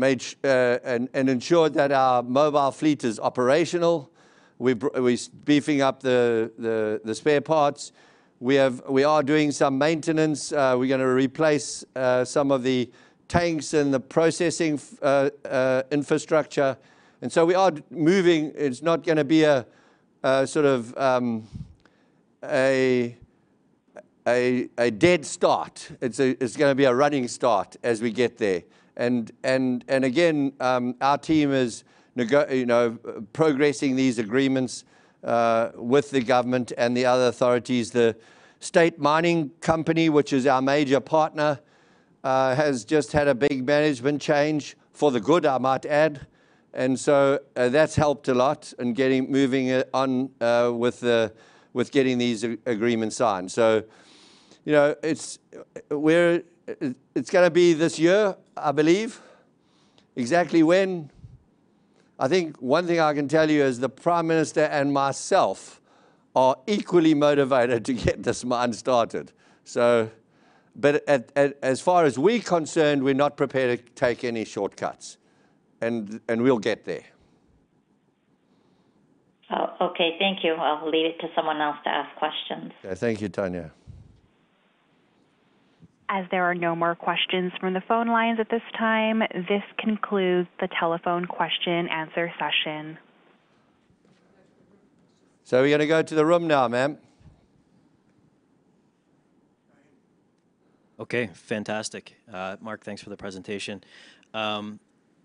ensured that our mobile fleet is operational. We're beefing up the spare parts. We are doing some maintenance. We're gonna replace some of the tanks and the processing infrastructure. We are moving. It's not gonna be a sort of a dead start. It's gonna be a running start as we get there. Again, you know, our team is progressing these agreements with the government and the other authorities. The state mining company, which is our major partner, has just had a big management change, for the good, I might add. That's helped a lot in getting, moving on with getting these agreements signed. You know, it's gonna be this year, I believe. Exactly when? I think one thing I can tell you is the Prime Minister and myself are equally motivated to get this mine started. But as far as we're concerned, we're not prepared to take any shortcuts, and we'll get there. Oh, okay. Thank you. I'll leave it to someone else to ask questions. Yeah. Thank you, Tanya. As there are no more questions from the phone lines at this time, this concludes the telephone question-answer session. We're gonna go to the room now, ma'am. Okay, fantastic. Mark, thanks for the presentation.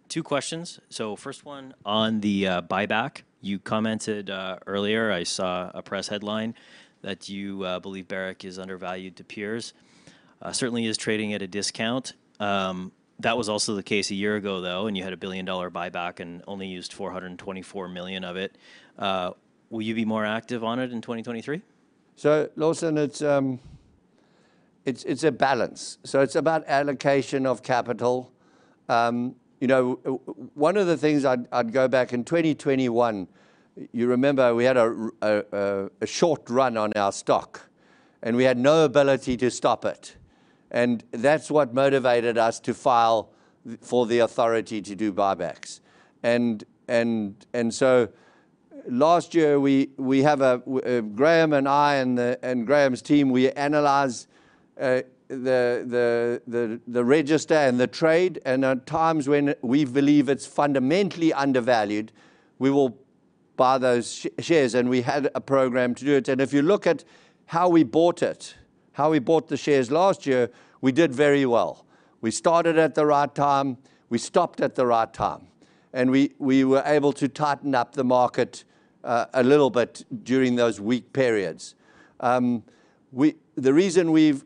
Two questions. First one on the buyback. You commented earlier, I saw a press headline that you believe Barrick is undervalued to peers. Certainly is trading at a discount. That was also the case a year ago, though, and you had a billion-dollar buyback and only used $424 million of it. Will you be more active on it in 2023? Lawson, it's a balance. It's about allocation of capital. You know, one of the things I'd go back in 2021, you remember we had a short run on our stock, and we had no ability to stop it. That's what motivated us to file for the authority to do buybacks. Last year, Graham and I and Graham's team, we analyze the register and the trade. At times when we believe it's fundamentally undervalued, we will buy those shares, and we had a program to do it. If you look at how we bought the shares last year, we did very well. We started at the right time, we stopped at the right time, and we were able to tighten up the market, a little bit during those weak periods. The reason we've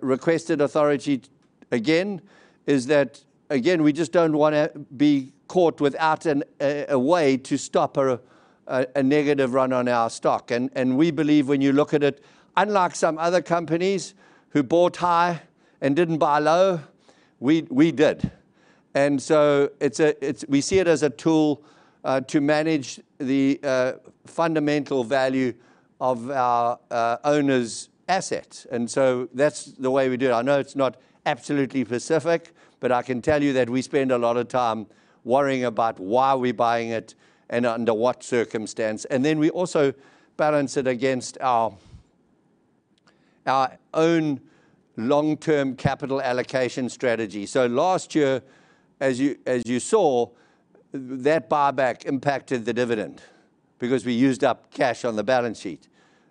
requested authority again is that again, we just don't wanna be caught without a way to stop a negative run on our stock. We believe when you look at it, unlike some other companies who bought high and didn't buy low, we did. It's we see it as a tool to manage the fundamental value of our owner's assets. That's the way we do it. I know it's not absolutely specific, but I can tell you that we spend a lot of time worrying about why are we buying it and under what circumstance. We also balance it against our own long-term capital allocation strategy. Last year, as you saw, that buyback impacted the dividend because we used up cash on the balance sheet.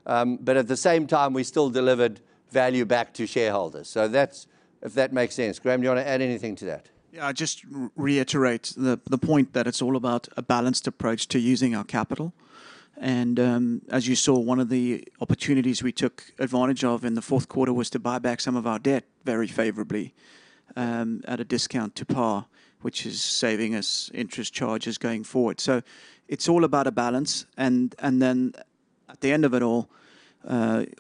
At the same time, we still delivered value back to shareholders. That's, if that makes sense. Graham, do you wanna add anything to that? Yeah. I'd just reiterate the point that it's all about a balanced approach to using our capital. As you saw, one of the opportunities we took advantage of in the fourth quarter was to buy back some of our debt very favorably at a discount to par, which is saving us interest charges going forward. It's all about a balance. At the end of it all,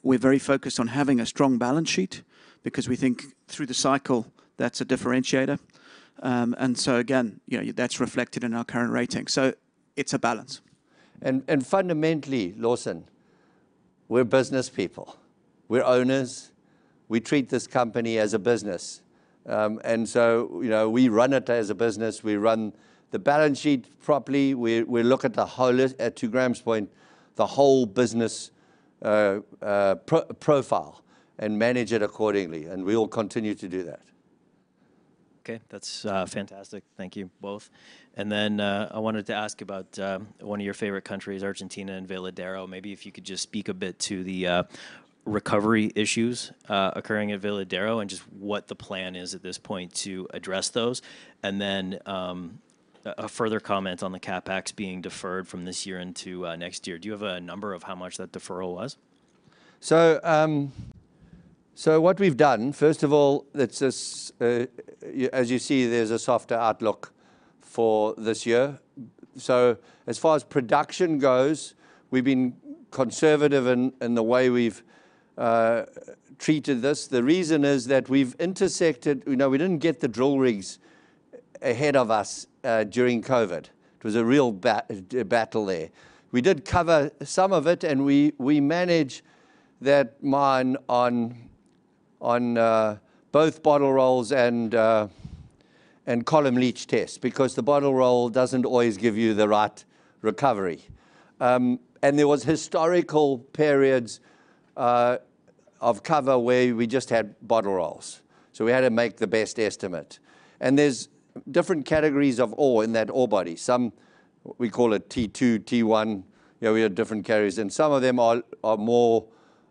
we're very focused on having a strong balance sheet because we think through the cycle that's a differentiator. Again, you know, that's reflected in our current rating. It's a balance. Fundamentally, Lawson, we're business people. We're owners. We treat this company as a business. You know, we run it as a business. We run the balance sheet properly. We look at the whole, at to Graham's point, the whole business profile and manage it accordingly, and we will continue to do that. Okay. That's fantastic. Thank you both. I wanted to ask about one of your favorite countries, Argentina and Veladero. Maybe if you could just speak a bit to the recovery issues occurring at Veladero and just what the plan is at this point to address those. A further comment on the CapEx being deferred from this year into next year. Do you have a number of how much that deferral was? What we've done, first of all, it's this, as you see, there's a softer outlook for this year. As far as production goes, we've been conservative in the way we've treated this. The reason is that we've intersected, you know, we didn't get the drill rigs ahead of us during COVID. It was a real battle there. We did cover some of it, and we manage that mine on both bottle rolls and column leach test because the bottle roll doesn't always give you the right recovery. There was historical periods of cover where we just had bottle rolls. We had to make the best estimate. There's different categories of ore in that ore body. Some we call it T2, T1. You know, we have different categories, and some of them are more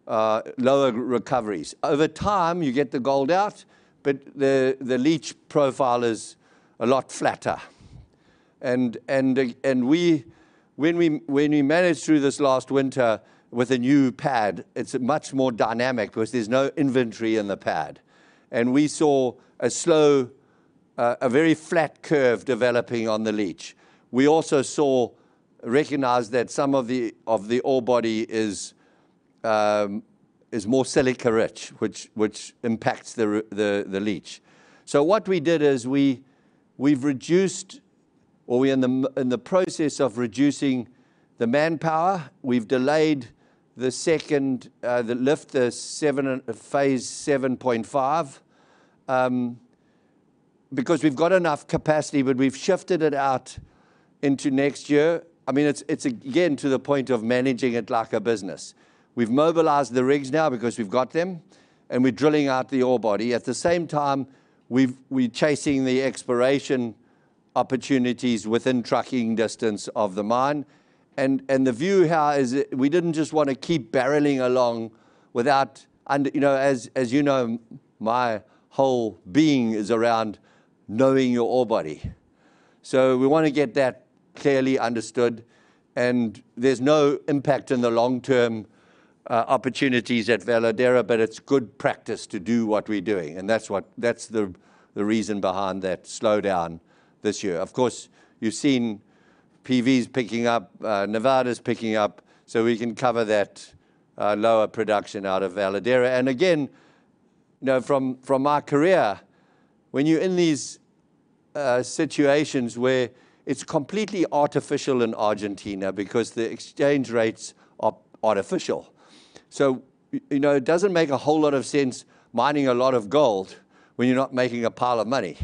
lower recoveries. Over time, you get the gold out, but the leach profile is a lot flatter. When we managed through this last winter with a new pad, it's much more dynamic because there's no inventory in the pad. We saw a very flat curve developing on the leach. We also recognized that some of the ore body is more silica-rich, which impacts the leach. What we did is we've reduced or we're in the process of reducing the manpower. We've delayed the second, the lift, Phase 7.5, because we've got enough capacity. We've shifted it out into next year. I mean, it's again to the point of managing it like a business. We've mobilized the rigs now because we've got them, and we're drilling out the ore body. At the same time, we're chasing the exploration opportunities within trucking distance of the mine. The view here is, we didn't just wanna keep barreling along without, you know, as you know, my whole being is around knowing your ore body. We wanna get that clearly understood, and there's no impact in the long-term opportunities at Veladero. It's good practice to do what we're doing, and that's the reason behind that slowdown this year. Of course, you've seen PVs picking up, Nevada's picking up, so we can cover that lower production out of Veladero. Again, you know, from my career, when you're in these situations where it's completely artificial in Argentina because the exchange rates are artificial. You know, it doesn't make a whole lot of sense mining a lot of gold when you're not making a pile of money.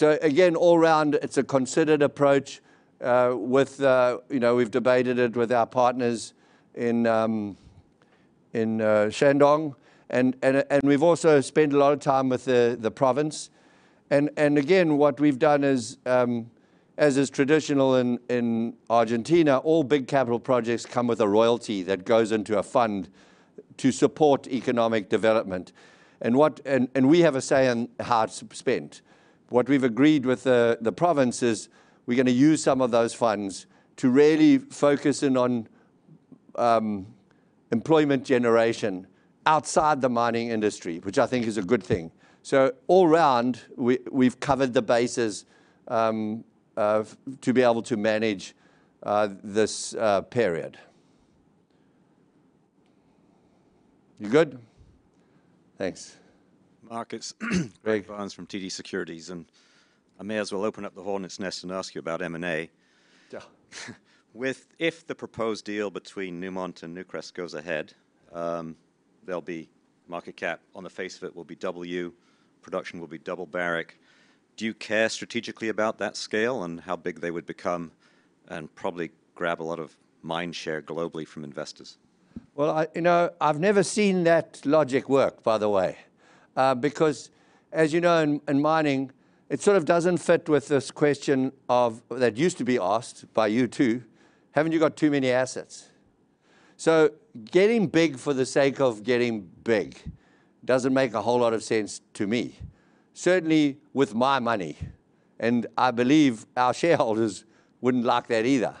Again, all around, it's a considered approach, with, you know, we've debated it with our partners in Shandong, and we've also spent a lot of time with the province. Again, what we've done is, as is traditional in Argentina, all big capital projects come with a royalty that goes into a fund to support economic development. We have a say in how it's spent. What we've agreed with the province is we're gonna use some of those funds to really focus in on employment generation outside the mining industry, which I think is a good thing. All around, we've covered the bases to be able to manage this period. You good? Thanks. Mark, it's Greg Barnes from TD Securities. I may as well open up the hornet's nest and ask you about M&A. Yeah. If the proposed deal between Newmont and Newcrest goes ahead, there'll be market cap on the face of it will be double you, production will be double Barrick. Do you care strategically about that scale and how big they would become and probably grab a lot of mind share globally from investors? Well, I, you know, I've never seen that logic work, by the way. Because as you know in mining, it sort of doesn't fit with this question of, that used to be asked by you too, haven't you got too many assets? Getting big for the sake of getting big doesn't make a whole lot of sense to me, certainly with my money, and I believe our shareholders wouldn't like that either.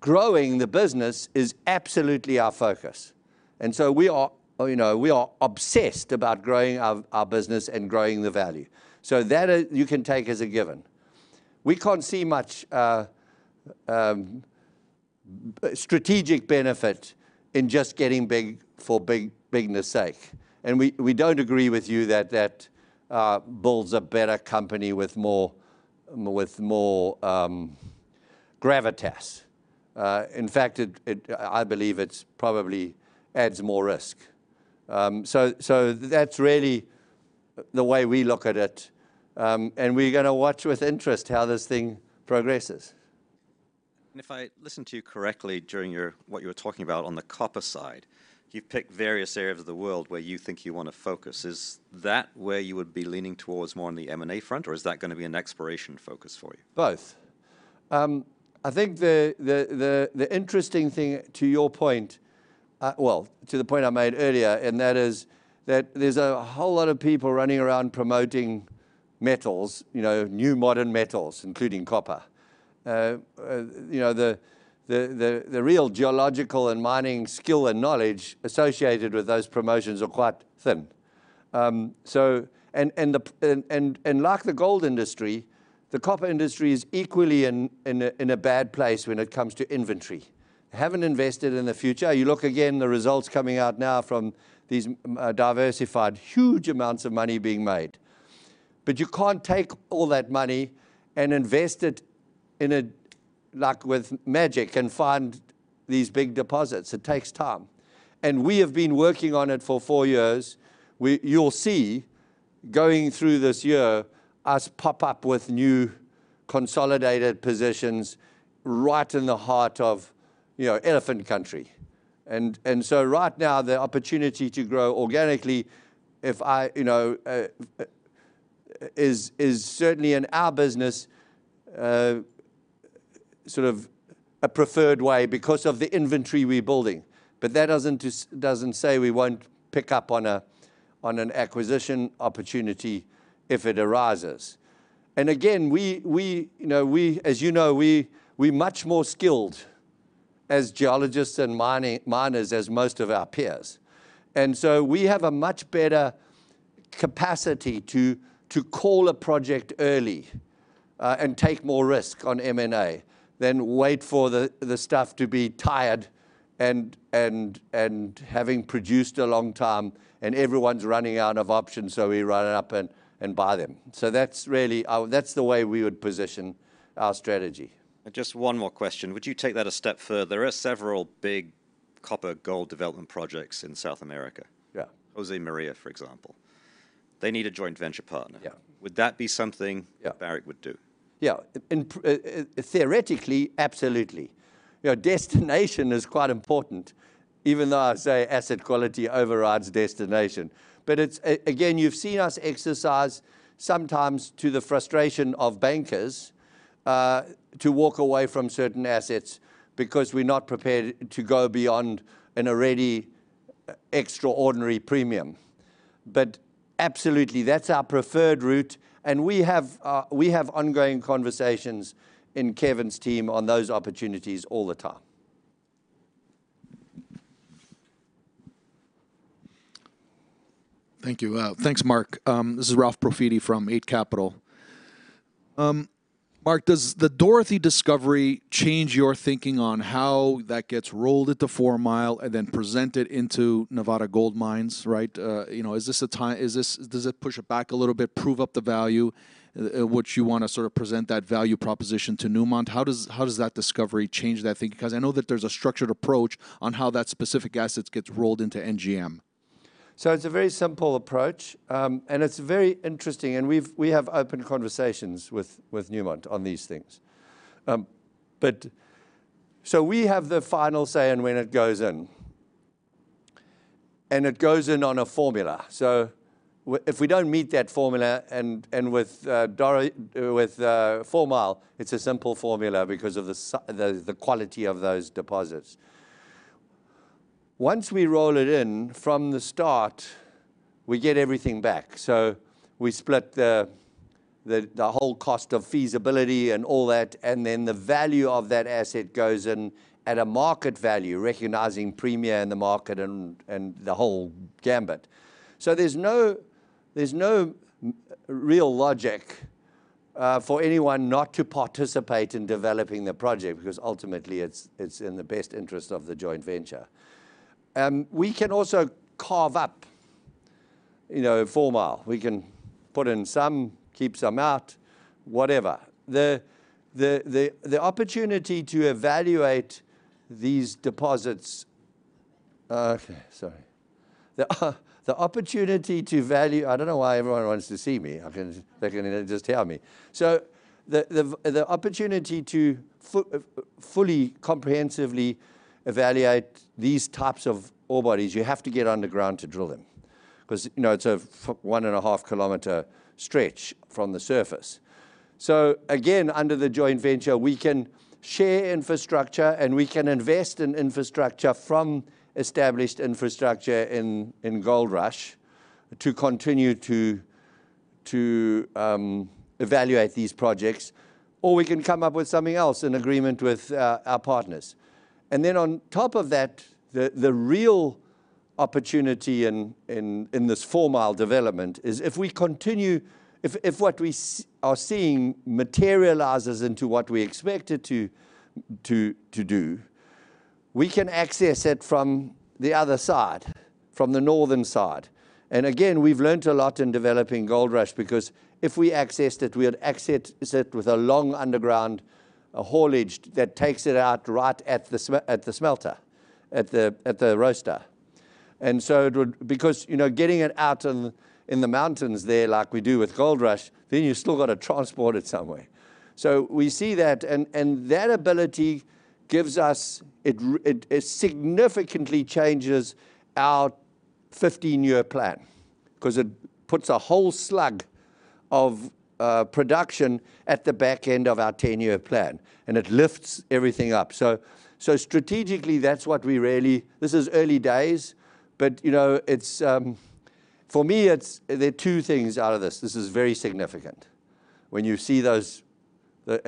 Growing the business is absolutely our focus. We are, you know, we are obsessed about growing our business and growing the value. You can take as a given. We can't see much strategic benefit in just getting big for big-bigness sake. We don't agree with you that that builds a better company with more with more gravitas. In fact, I believe it's probably adds more risk. That's really the way we look at it. We're gonna watch with interest how this thing progresses. If I listened to you correctly during what you were talking about on the copper side, you've picked various areas of the world where you think you wanna focus. Is that where you would be leaning towards more on the M&A front, or is that gonna be an exploration focus for you? Both. I think the interesting thing to your point, well, to the point I made earlier, and that is that there's a whole lot of people running around promoting metals, you know, new modern metals, including copper. You know, the real geological and mining skill and knowledge associated with those promotions are quite thin. So, and the, and like the gold industry, the copper industry is equally in a bad place when it comes to inventory. They haven't invested in the future. You look again, the results coming out now from these diversified huge amounts of money being made. You can't take all that money and invest it in a, like with magic, and find these big deposits. It takes time. We have been working on it for four years. You'll see going through this year us pop up with new consolidated positions right in the heart of, you know, elephant country. Right now the opportunity to grow organically, if I, you know, is certainly in our business, sort of a preferred way because of the inventory rebuilding. That doesn't say we won't pick up on an acquisition opportunity if it arises. Again, we, you know, as you know, we're much more skilled as geologists and miners as most of our peers. We have a much better capacity to call a project early, and take more risk on M&A than wait for the stuff to be tired and having produced a long time and everyone's running out of options. We run it up and buy them. That's really our. That's the way we would position our strategy. Just one more question. Would you take that a step further? There are several big copper gold development projects in South America. Yeah. José María, for example. They need a joint venture partner. Yeah. Would that be something- Yeah... Barrick would do? Yeah. Theoretically, absolutely. You know, destination is quite important, even though I say asset quality overrides destination. It's again, you've seen us exercise, sometimes to the frustration of bankers, to walk away from certain assets because we're not prepared to go beyond an already extraordinary premium. Absolutely, that's our preferred route, and we have ongoing conversations in Kevin's team on those opportunities all the time. Thank you. Thanks, Mark. This is Ralph Profiti from Eight Capital. Mark, does the Dorothy discovery change your thinking on how that gets rolled at the Fourmile and then presented into Nevada Gold Mines, right? You know, is this a time, does it push it back a little bit, prove up the value, which you wanna sort of present that value proposition to Newmont? How does that discovery change that thinking? 'Cause I know that there's a structured approach on how that specific assets gets rolled into NGM. It's a very simple approach. And it's very interesting, and we have open conversations with Newmont on these things. We have the final say in when it goes in, and it goes in on a formula. If we don't meet that formula and with Fourmile, it's a simple formula because of the quality of those deposits. Once we roll it in from the start, we get everything back. We split the whole cost of feasibility and all that, and then the value of that asset goes in at a market value recognizing premier in the market and the whole gambit. There's no real logic for anyone not to participate in developing the project because ultimately it's in the best interest of the joint venture. We can also carve up, you know, Fourmile. We can put in some, keep some out, whatever. I don't know why everyone wants to see me. I can... They can just tell me. The opportunity to fully, comprehensively evaluate these types of ore bodies, you have to get underground to drill them 'cause, you know, it's a 1.5 km stretch from the surface. Again, under the joint venture, we can share infrastructure, and we can invest in infrastructure from established infrastructure in Goldrush to continue to evaluate these projects, or we can come up with something else in agreement with our partners. On top of that, the real opportunity in this Fourmile development is if we continue, if what we are seeing materializes into what we expect it to do, we can access it from the other side, from the northern side. Again, we've learnt a lot in developing Goldrush because if we accessed it, we would access it with a long underground, a haulage that takes it out right at the smelter, at the roaster. Because, you know, getting it out in the mountains there like we do with Gold Rush, you still got to transport it somewhere. We see that, and that ability gives us, it significantly changes our 15-year plan. Because it puts a whole slug of production at the back end of our 10-year plan, it lifts everything up. Strategically, that's what we really. This is early days, but, you know, it's. For me, there are two things out of this. This is very significant. When you see those,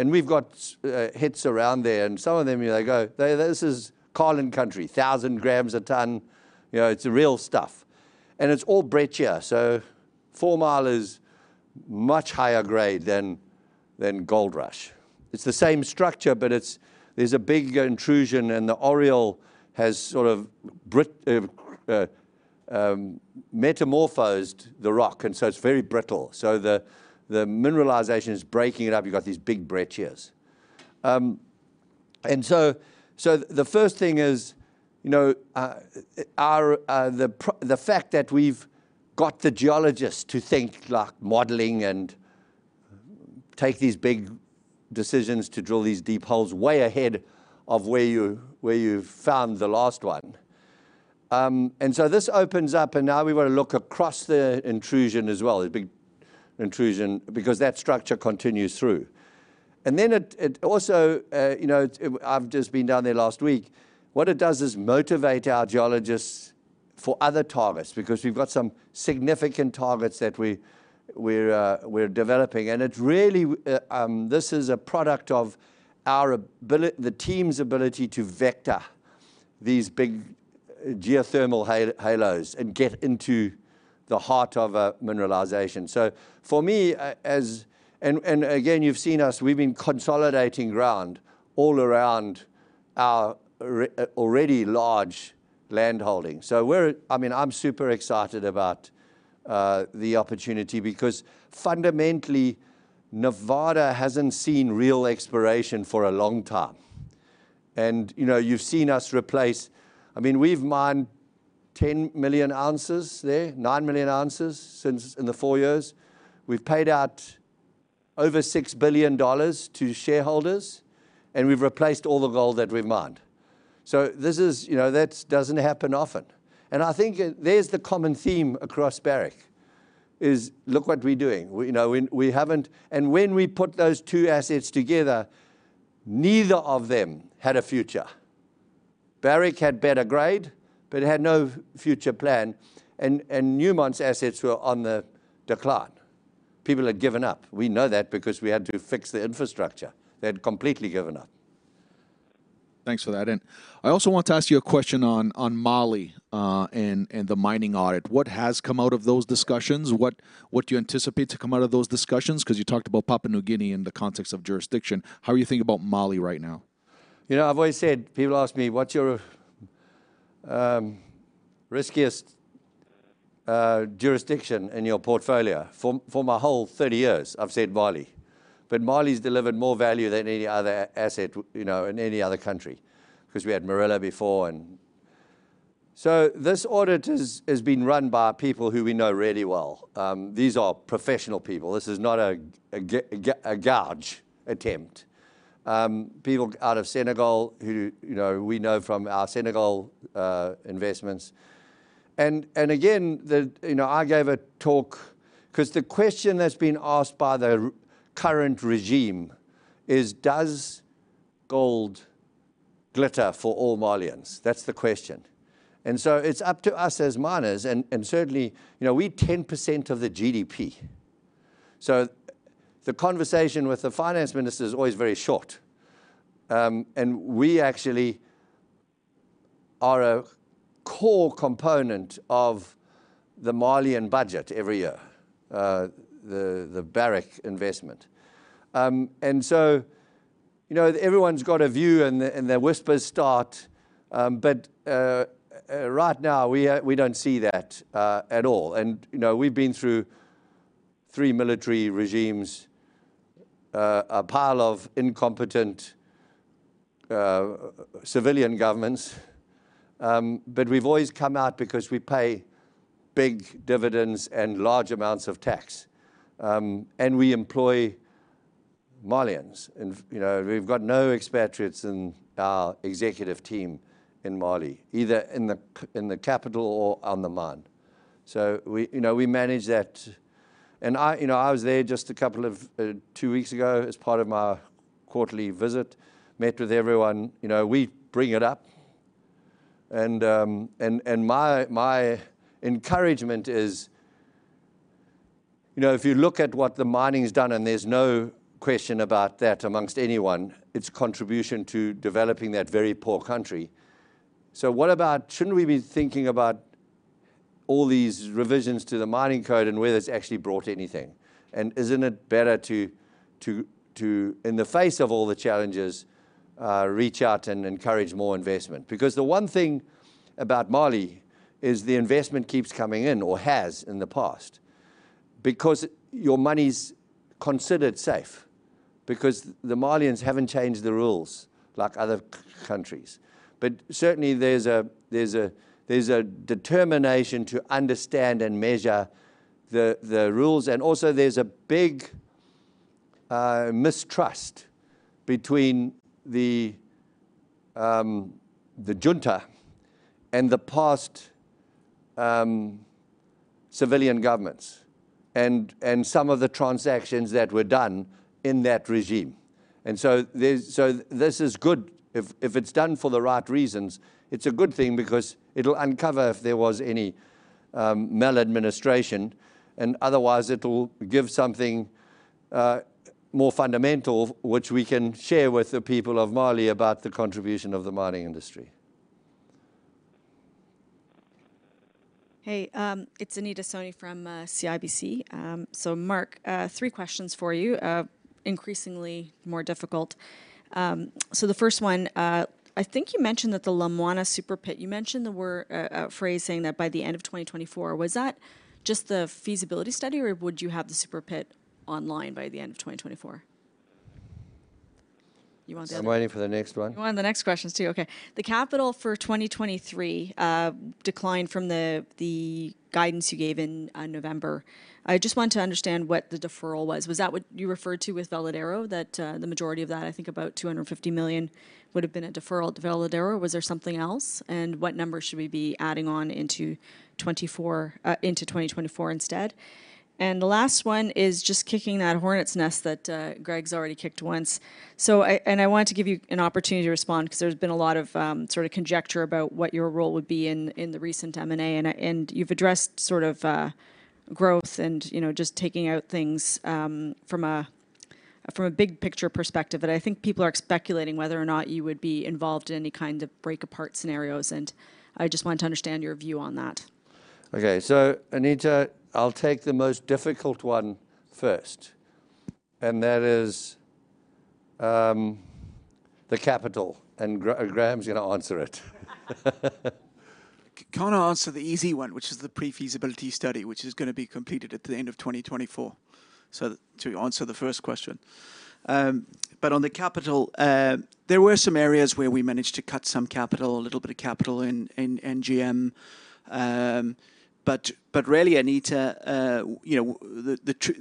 we've got hits around there, and some of them, you know, they go, "This is Carlin country, 1,000 grams a ton." You know, it's the real stuff. It's all breccia, Fourmile is much higher grade than Gold Rush. It's the same structure, but it's, there's a big intrusion and the aureole has sort of metamorphosed the rock, and so it's very brittle. The mineralization is breaking it up. You've got these big breccias. The first thing is, you know, our, the fact that we've got the geologists to think like modeling and take these big decisions to drill these deep holes way ahead of where you, where you've found the last one. This opens up, and now we've got to look across the intrusion as well, the big intrusion, because that structure continues through. It also, you know, I've just been down there last week. What it does is motivate our geologists for other targets, because we've got some significant targets that we're developing. It really, this is a product of our ability, the team's ability to vector these big geothermal halos and get into the heart of a mineralization. For me, again, you've seen us, we've been consolidating ground all around our already large land holdings. We're, I mean, I'm super excited about the opportunity because fundamentally, Nevada hasn't seen real exploration for a long time. You know, you've seen us replace. I mean, we've mined 10 million ounces there, 9 million ounces since, in the four years. We've paid out over $6 billion to shareholders, and we've replaced all the gold that we've mined. This is, you know, that's doesn't happen often. I think there's the common theme across Barrick, is look what we're doing. You know, we haven't... When we put those two assets together, neither of them had a future. Barrick had better grade, but it had no future plan. Newmont's assets were on the decline. People had given up. We know that because we had to fix the infrastructure. They had completely given up. Thanks for that. I also want to ask you a question on Mali and the mining audit. What has come out of those discussions? What do you anticipate to come out of those discussions? You talked about Papua New Guinea in the context of jurisdiction. How are you thinking about Mali right now? You know, I've always said, people ask me, "What's your riskiest jurisdiction in your portfolio?" For my whole 30 years, I've said Mali. Mali's delivered more value than any other asset, you know, in any other country, 'cause we had Morila before and... This audit has been run by people who we know really well. These are professional people. This is not a gouge attempt. People out of Senegal who, you know, we know from our Senegal investments. Again, the, you know, I gave a talk 'cause the question that's been asked by the current regime is, "Does gold glitter for all Malians?" That's the question. It's up to us as miners, certainly, you know, we're 10% of the GDP. The conversation with the finance minister is always very short. We actually are a core component of the Malian budget every year, the Barrick investment. Everyone's got a view and the whispers start, but right now we don't see that at all. We've been through three military regimes, a pile of incompetent civilian governments, but we've always come out because we pay big dividends and large amounts of tax. We employ Malians. We've got no expatriates in our executive team in Mali, either in the capital or on the mine. We manage that. I, you know, I was there just a couple of two weeks ago as part of my quarterly visit, met with everyone. You know, we bring it up and my encouragement is, you know, if you look at what the mining's done, and there's no question about that amongst anyone, its contribution to developing that very poor country. What about, shouldn't we be thinking about all these revisions to the mining code and whether it's actually brought anything? Isn't it better to, in the face of all the challenges, reach out and encourage more investment? The one thing about Mali is the investment keeps coming in, or has in the past, because your money's considered safe, because the Malians haven't changed the rules like other countries. Certainly there's a determination to understand and measure the rules, and also there's a big mistrust between the junta and the past civilian governments and some of the transactions that were done in that regime. This is good if it's done for the right reasons, it's a good thing because it'll uncover if there was any maladministration and otherwise it'll give something more fundamental which we can share with the people of Mali about the contribution of the mining industry. Hey, it's Anita Soni from CIBC. Mark, three questions for you, increasingly more difficult. The first one, I think you mentioned that the Lumwana Super Pit, you mentioned there were a phrase saying that by the end of 2024. Was that just the feasibility study or would you have the Super Pit online by the end of 2024? You want the other- I'm waiting for the next one. You want the next questions too. Okay. The capital for 2023 decline from the guidance you gave in November. I just want to understand what the deferral was. Was that what you referred to with Veladero that the majority of that, I think about $250 million would have been a deferral at Veladero, or was there something else? What numbers should we be adding on into 2024 instead? The last one is just kicking that hornet's nest that Greg's already kicked once. I wanted to give you an opportunity to respond because there's been a lot of sort of conjecture about what your role would be in the recent M&A. I... You've addressed sort of, growth and, you know, just taking out things, from a big picture perspective. I think people are speculating whether or not you would be involved in any kind of break-apart scenarios, and I just wanted to understand your view on that. Okay. Anita, I'll take the most difficult one first, and that is the capital and Graham's gonna answer it. Kind of answer the easy one, which is the pre-feasibility study, which is going to be completed at the end of 2024. To answer the first question. On the capital, there were some areas where we managed to cut some capital, a little bit of capital in NGM. really, Anita, you know,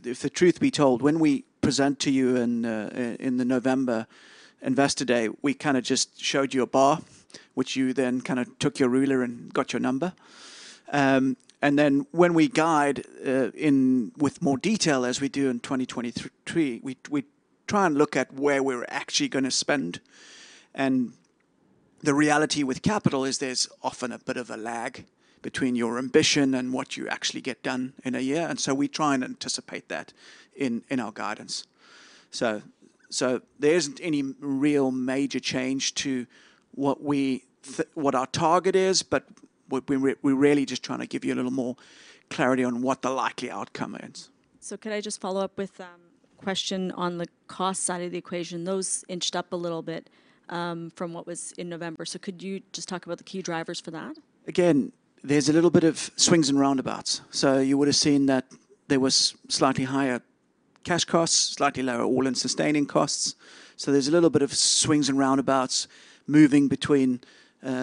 if the truth be told, when we present to you in the November Investor Day, we kind of just showed you a bar, which you then kind of took your ruler and got your number. When we guide in with more detail as we do in 2023, we try and look at where we're actually going to spend. The reality with capital is there's often a bit of a lag between your ambition and what you actually get done in a year, and so we try and anticipate that in our guidance. There isn't any real major change to what we what our target is, but we're really just trying to give you a little more clarity on what the likely outcome is. Could I just follow up with a question on the cost side of the equation? Those inched up a little bit from what was in November. Could you just talk about the key drivers for that? There's a little bit of swings and roundabouts. You would have seen that there was slightly higher cash costs, slightly lower all-in sustaining costs. There's a little bit of swings and roundabouts moving between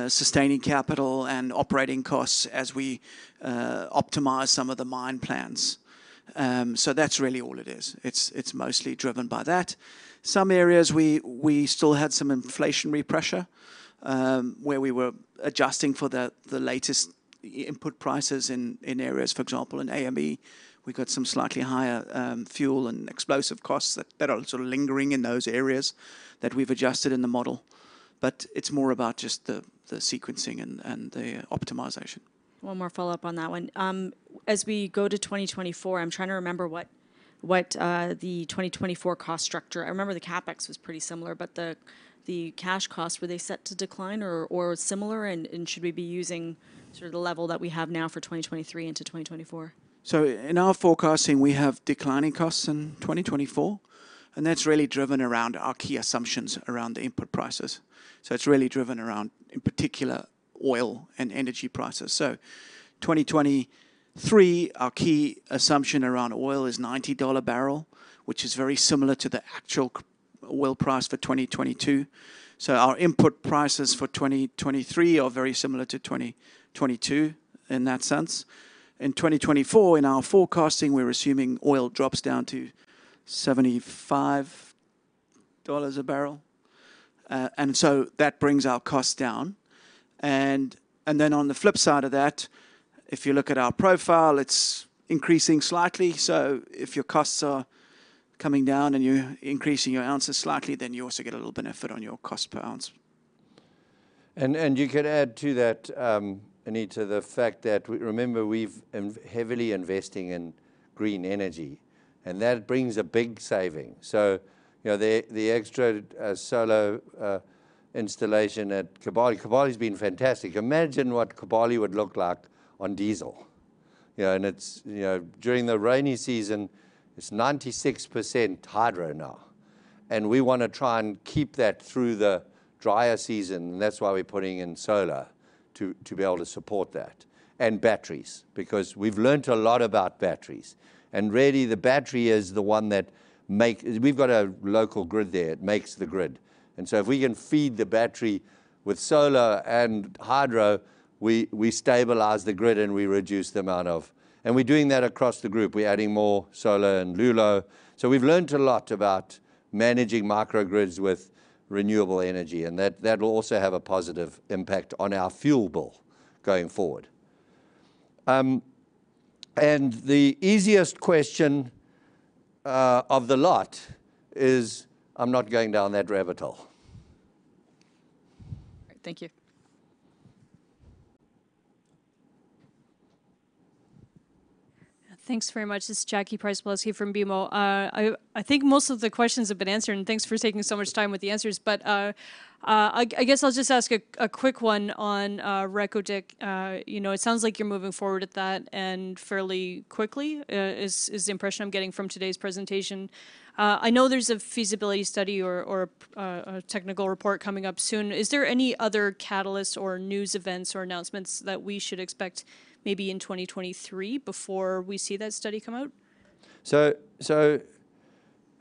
sustaining capital and operating costs as we optimize some of the mine plans. That's really all it is. It's mostly driven by that. Some areas we still had some inflationary pressure, where we were adjusting for the latest input prices in areas, for example, in AME, we got some slightly higher fuel and explosive costs that are sort of lingering in those areas that we've adjusted in the model. It's more about just the sequencing and the optimization. One more follow-up on that one. As we go to 2024, I'm trying to remember what the 2024 cost structure. I remember the CapEx was pretty similar, but the cash costs, were they set to decline or similar and should we be using sort of the level that we have now for 2023 into 2024? In our forecasting, we have declining costs in 2024, and that's really driven around our key assumptions around the input prices. It's really driven around, in particular, oil and energy prices. 2023, our key assumption around oil is $90 a barrel, which is very similar to the actual oil price for 2022. Our input prices for 2023 are very similar to 2022 in that sense. In 2024, in our forecasting, we're assuming oil drops down to $75 a barrel. That brings our costs down. On the flip side of that, if you look at our profile, it's increasing slightly. If your costs are coming down and you're increasing your ounces slightly, you also get a little benefit on your cost per ounce. You could add to that, Anita, the fact that remember, we've heavily investing in green energy, and that brings a big saving. You know, the extra solar installation at Kibali. Kibali's been fantastic. Imagine what Kibali would look like on diesel? You know, and it's, you know, during the rainy season, it's 96% hydro now. We wanna try and keep that through the drier season. That's why we're putting in solar to be able to support that. Batteries, because we've learnt a lot about batteries. Really, the battery is the one that makes the grid. We've got a local grid there. If we can feed the battery with solar and hydro, we stabilize the grid, and we reduce the amount of. We're doing that across the group. We're adding more solar in Loulo. We've learned a lot about managing microgrids with renewable energy, and that will also have a positive impact on our fuel bill going forward. The easiest question of the lot is I'm not going down that rabbit hole. All right. Thank you. Thanks very much. This is Jackie Przybylowski from BMO. I think most of the questions have been answered. Thanks for taking so much time with the answers. I guess I'll just ask a quick one on Reko Diq. You know, it sounds like you're moving forward with that and fairly quickly, is the impression I'm getting from today's presentation. I know there's a feasibility study or a technical report coming up soon. Is there any other catalyst or news events or announcements that we should expect maybe in 2023 before we see that study come out?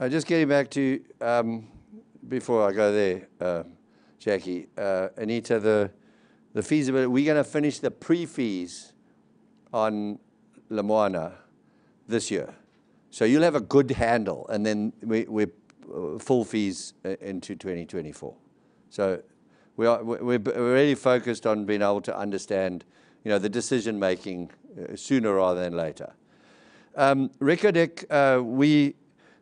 Just getting back to, before I go there, Jackie. Anita, we're gonna finish the pre-fees on Lumwana this year, so you'll have a good handle. Then we're full fees into 2024. We're really focused on being able to understand, you know, the decision-making sooner rather than later. Reko Diq,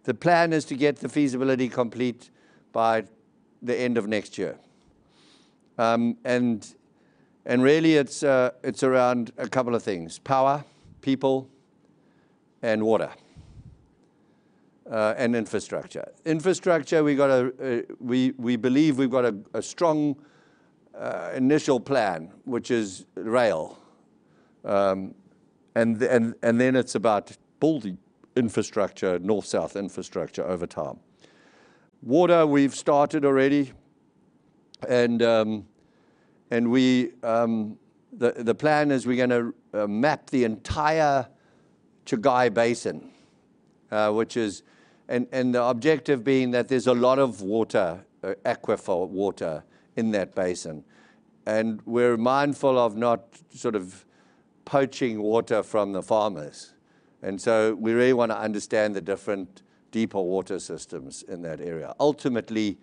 the plan is to get the feasibility complete by the end of next year. And really, it's around a couple of things: power, people, and water, and infrastructure. Infrastructure, we believe we've got a strong initial plan, which is rail. Then it's about building infrastructure, north-south infrastructure over time. Water, we've started already, and we... The plan is we're gonna map the entire Chagai Basin, and the objective being that there's a lot of water, aquifer water in that basin. We're mindful of not sort of poaching water from the farmers. We really wanna understand the different deeper water systems in that area. Ultimately,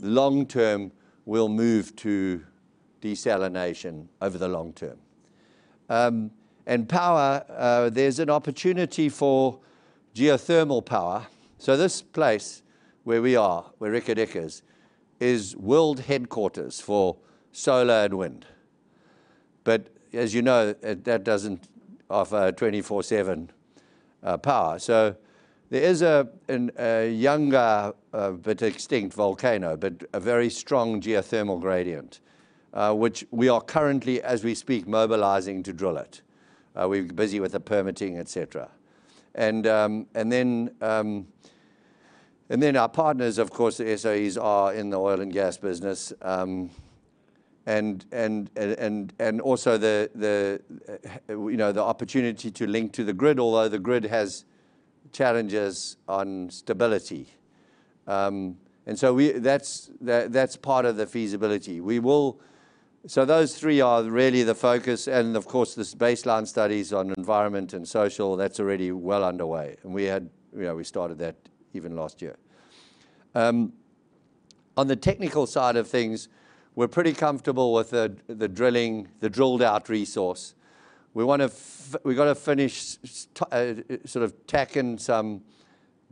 long term, we'll move to desalination over the long term. Power, there's an opportunity for geothermal power. This place where we are, where Reko Diq is world headquarters for solar and wind. As you know, that doesn't offer 24/7 power. There is a younger, but extinct volcano, but a very strong geothermal gradient, which we are currently, as we speak, mobilizing to drill it. We're busy with the permitting, et cetera. Our partners, of course, the SOEs are in the oil and gas business, and also the, you know, the opportunity to link to the grid, although the grid has challenges on stability. That's part of the feasibility. Those three are really the focus and of course, the baseline studies on environment and social. That's already well underway, and you know, we started that even last year. On the technical side of things, we're pretty comfortable with the drilling, the drilled-out resource. We've gotta finish sort of tack in some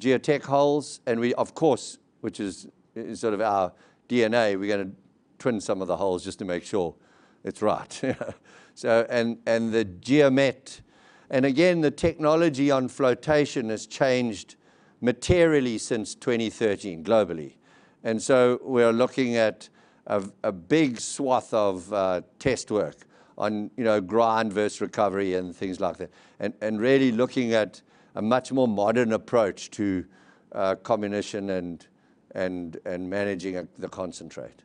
geotech holes and we, of course, which is sort of our DNA, we're gonna twin some of the holes just to make sure it's right. Again, the technology on flotation has changed materially since 2013 globally. We are looking at a big swath of test work on, you know, grind versus recovery and things like that. Really looking at a much more modern approach to comminution and managing at the concentrate.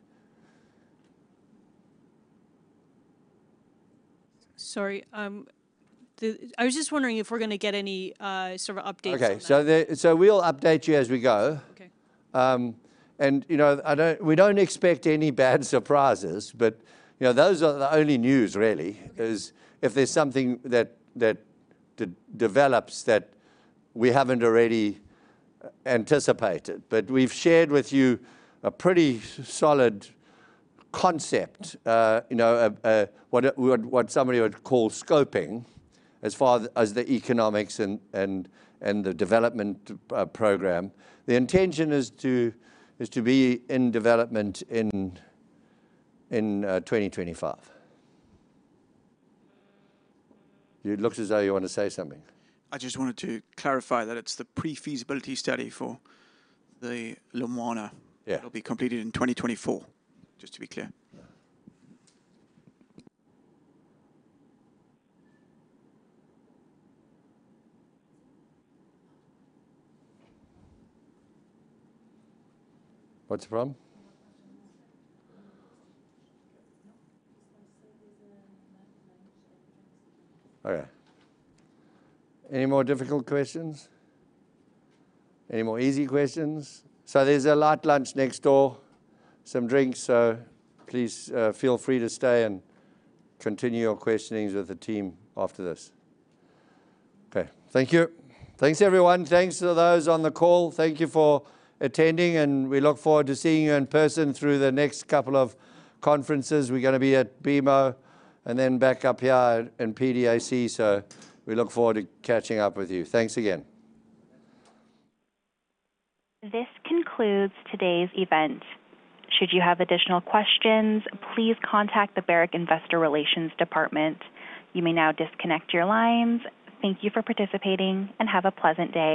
Sorry. I was just wondering if we're gonna get any sort of updates on that. Okay. We'll update you as we go. Okay. You know, we don't expect any bad surprises, but you know, those are the only news really. Okay... is if there's something that de-develops that we haven't already anticipated. We've shared with you a pretty solid concept, you know, what somebody would call scoping as far as the economics and the development program. The intention is to be in development in 2025. You looked as though you wanna say something. I just wanted to clarify that it's the pre-feasibility study for the Lumwana. Yeah that'll be completed in 2024, just to be clear. Yeah. What's the problem? Okay. Any more difficult questions? Any more easy questions? There's a light lunch next door, some drinks. Please feel free to stay and continue your questionings with the team after this. Okay. Thank you. Thanks, everyone. Thanks to those on the call. Thank you for attending, and we look forward to seeing you in person through the next couple of conferences. We're going to be at BMO and then back up here in PDAC. We look forward to catching up with you. Thanks again. This concludes today's event. Should you have additional questions, please contact the Barrick Investor Relations Department. You may now disconnect your lines. Thank you for participating, and have a pleasant day.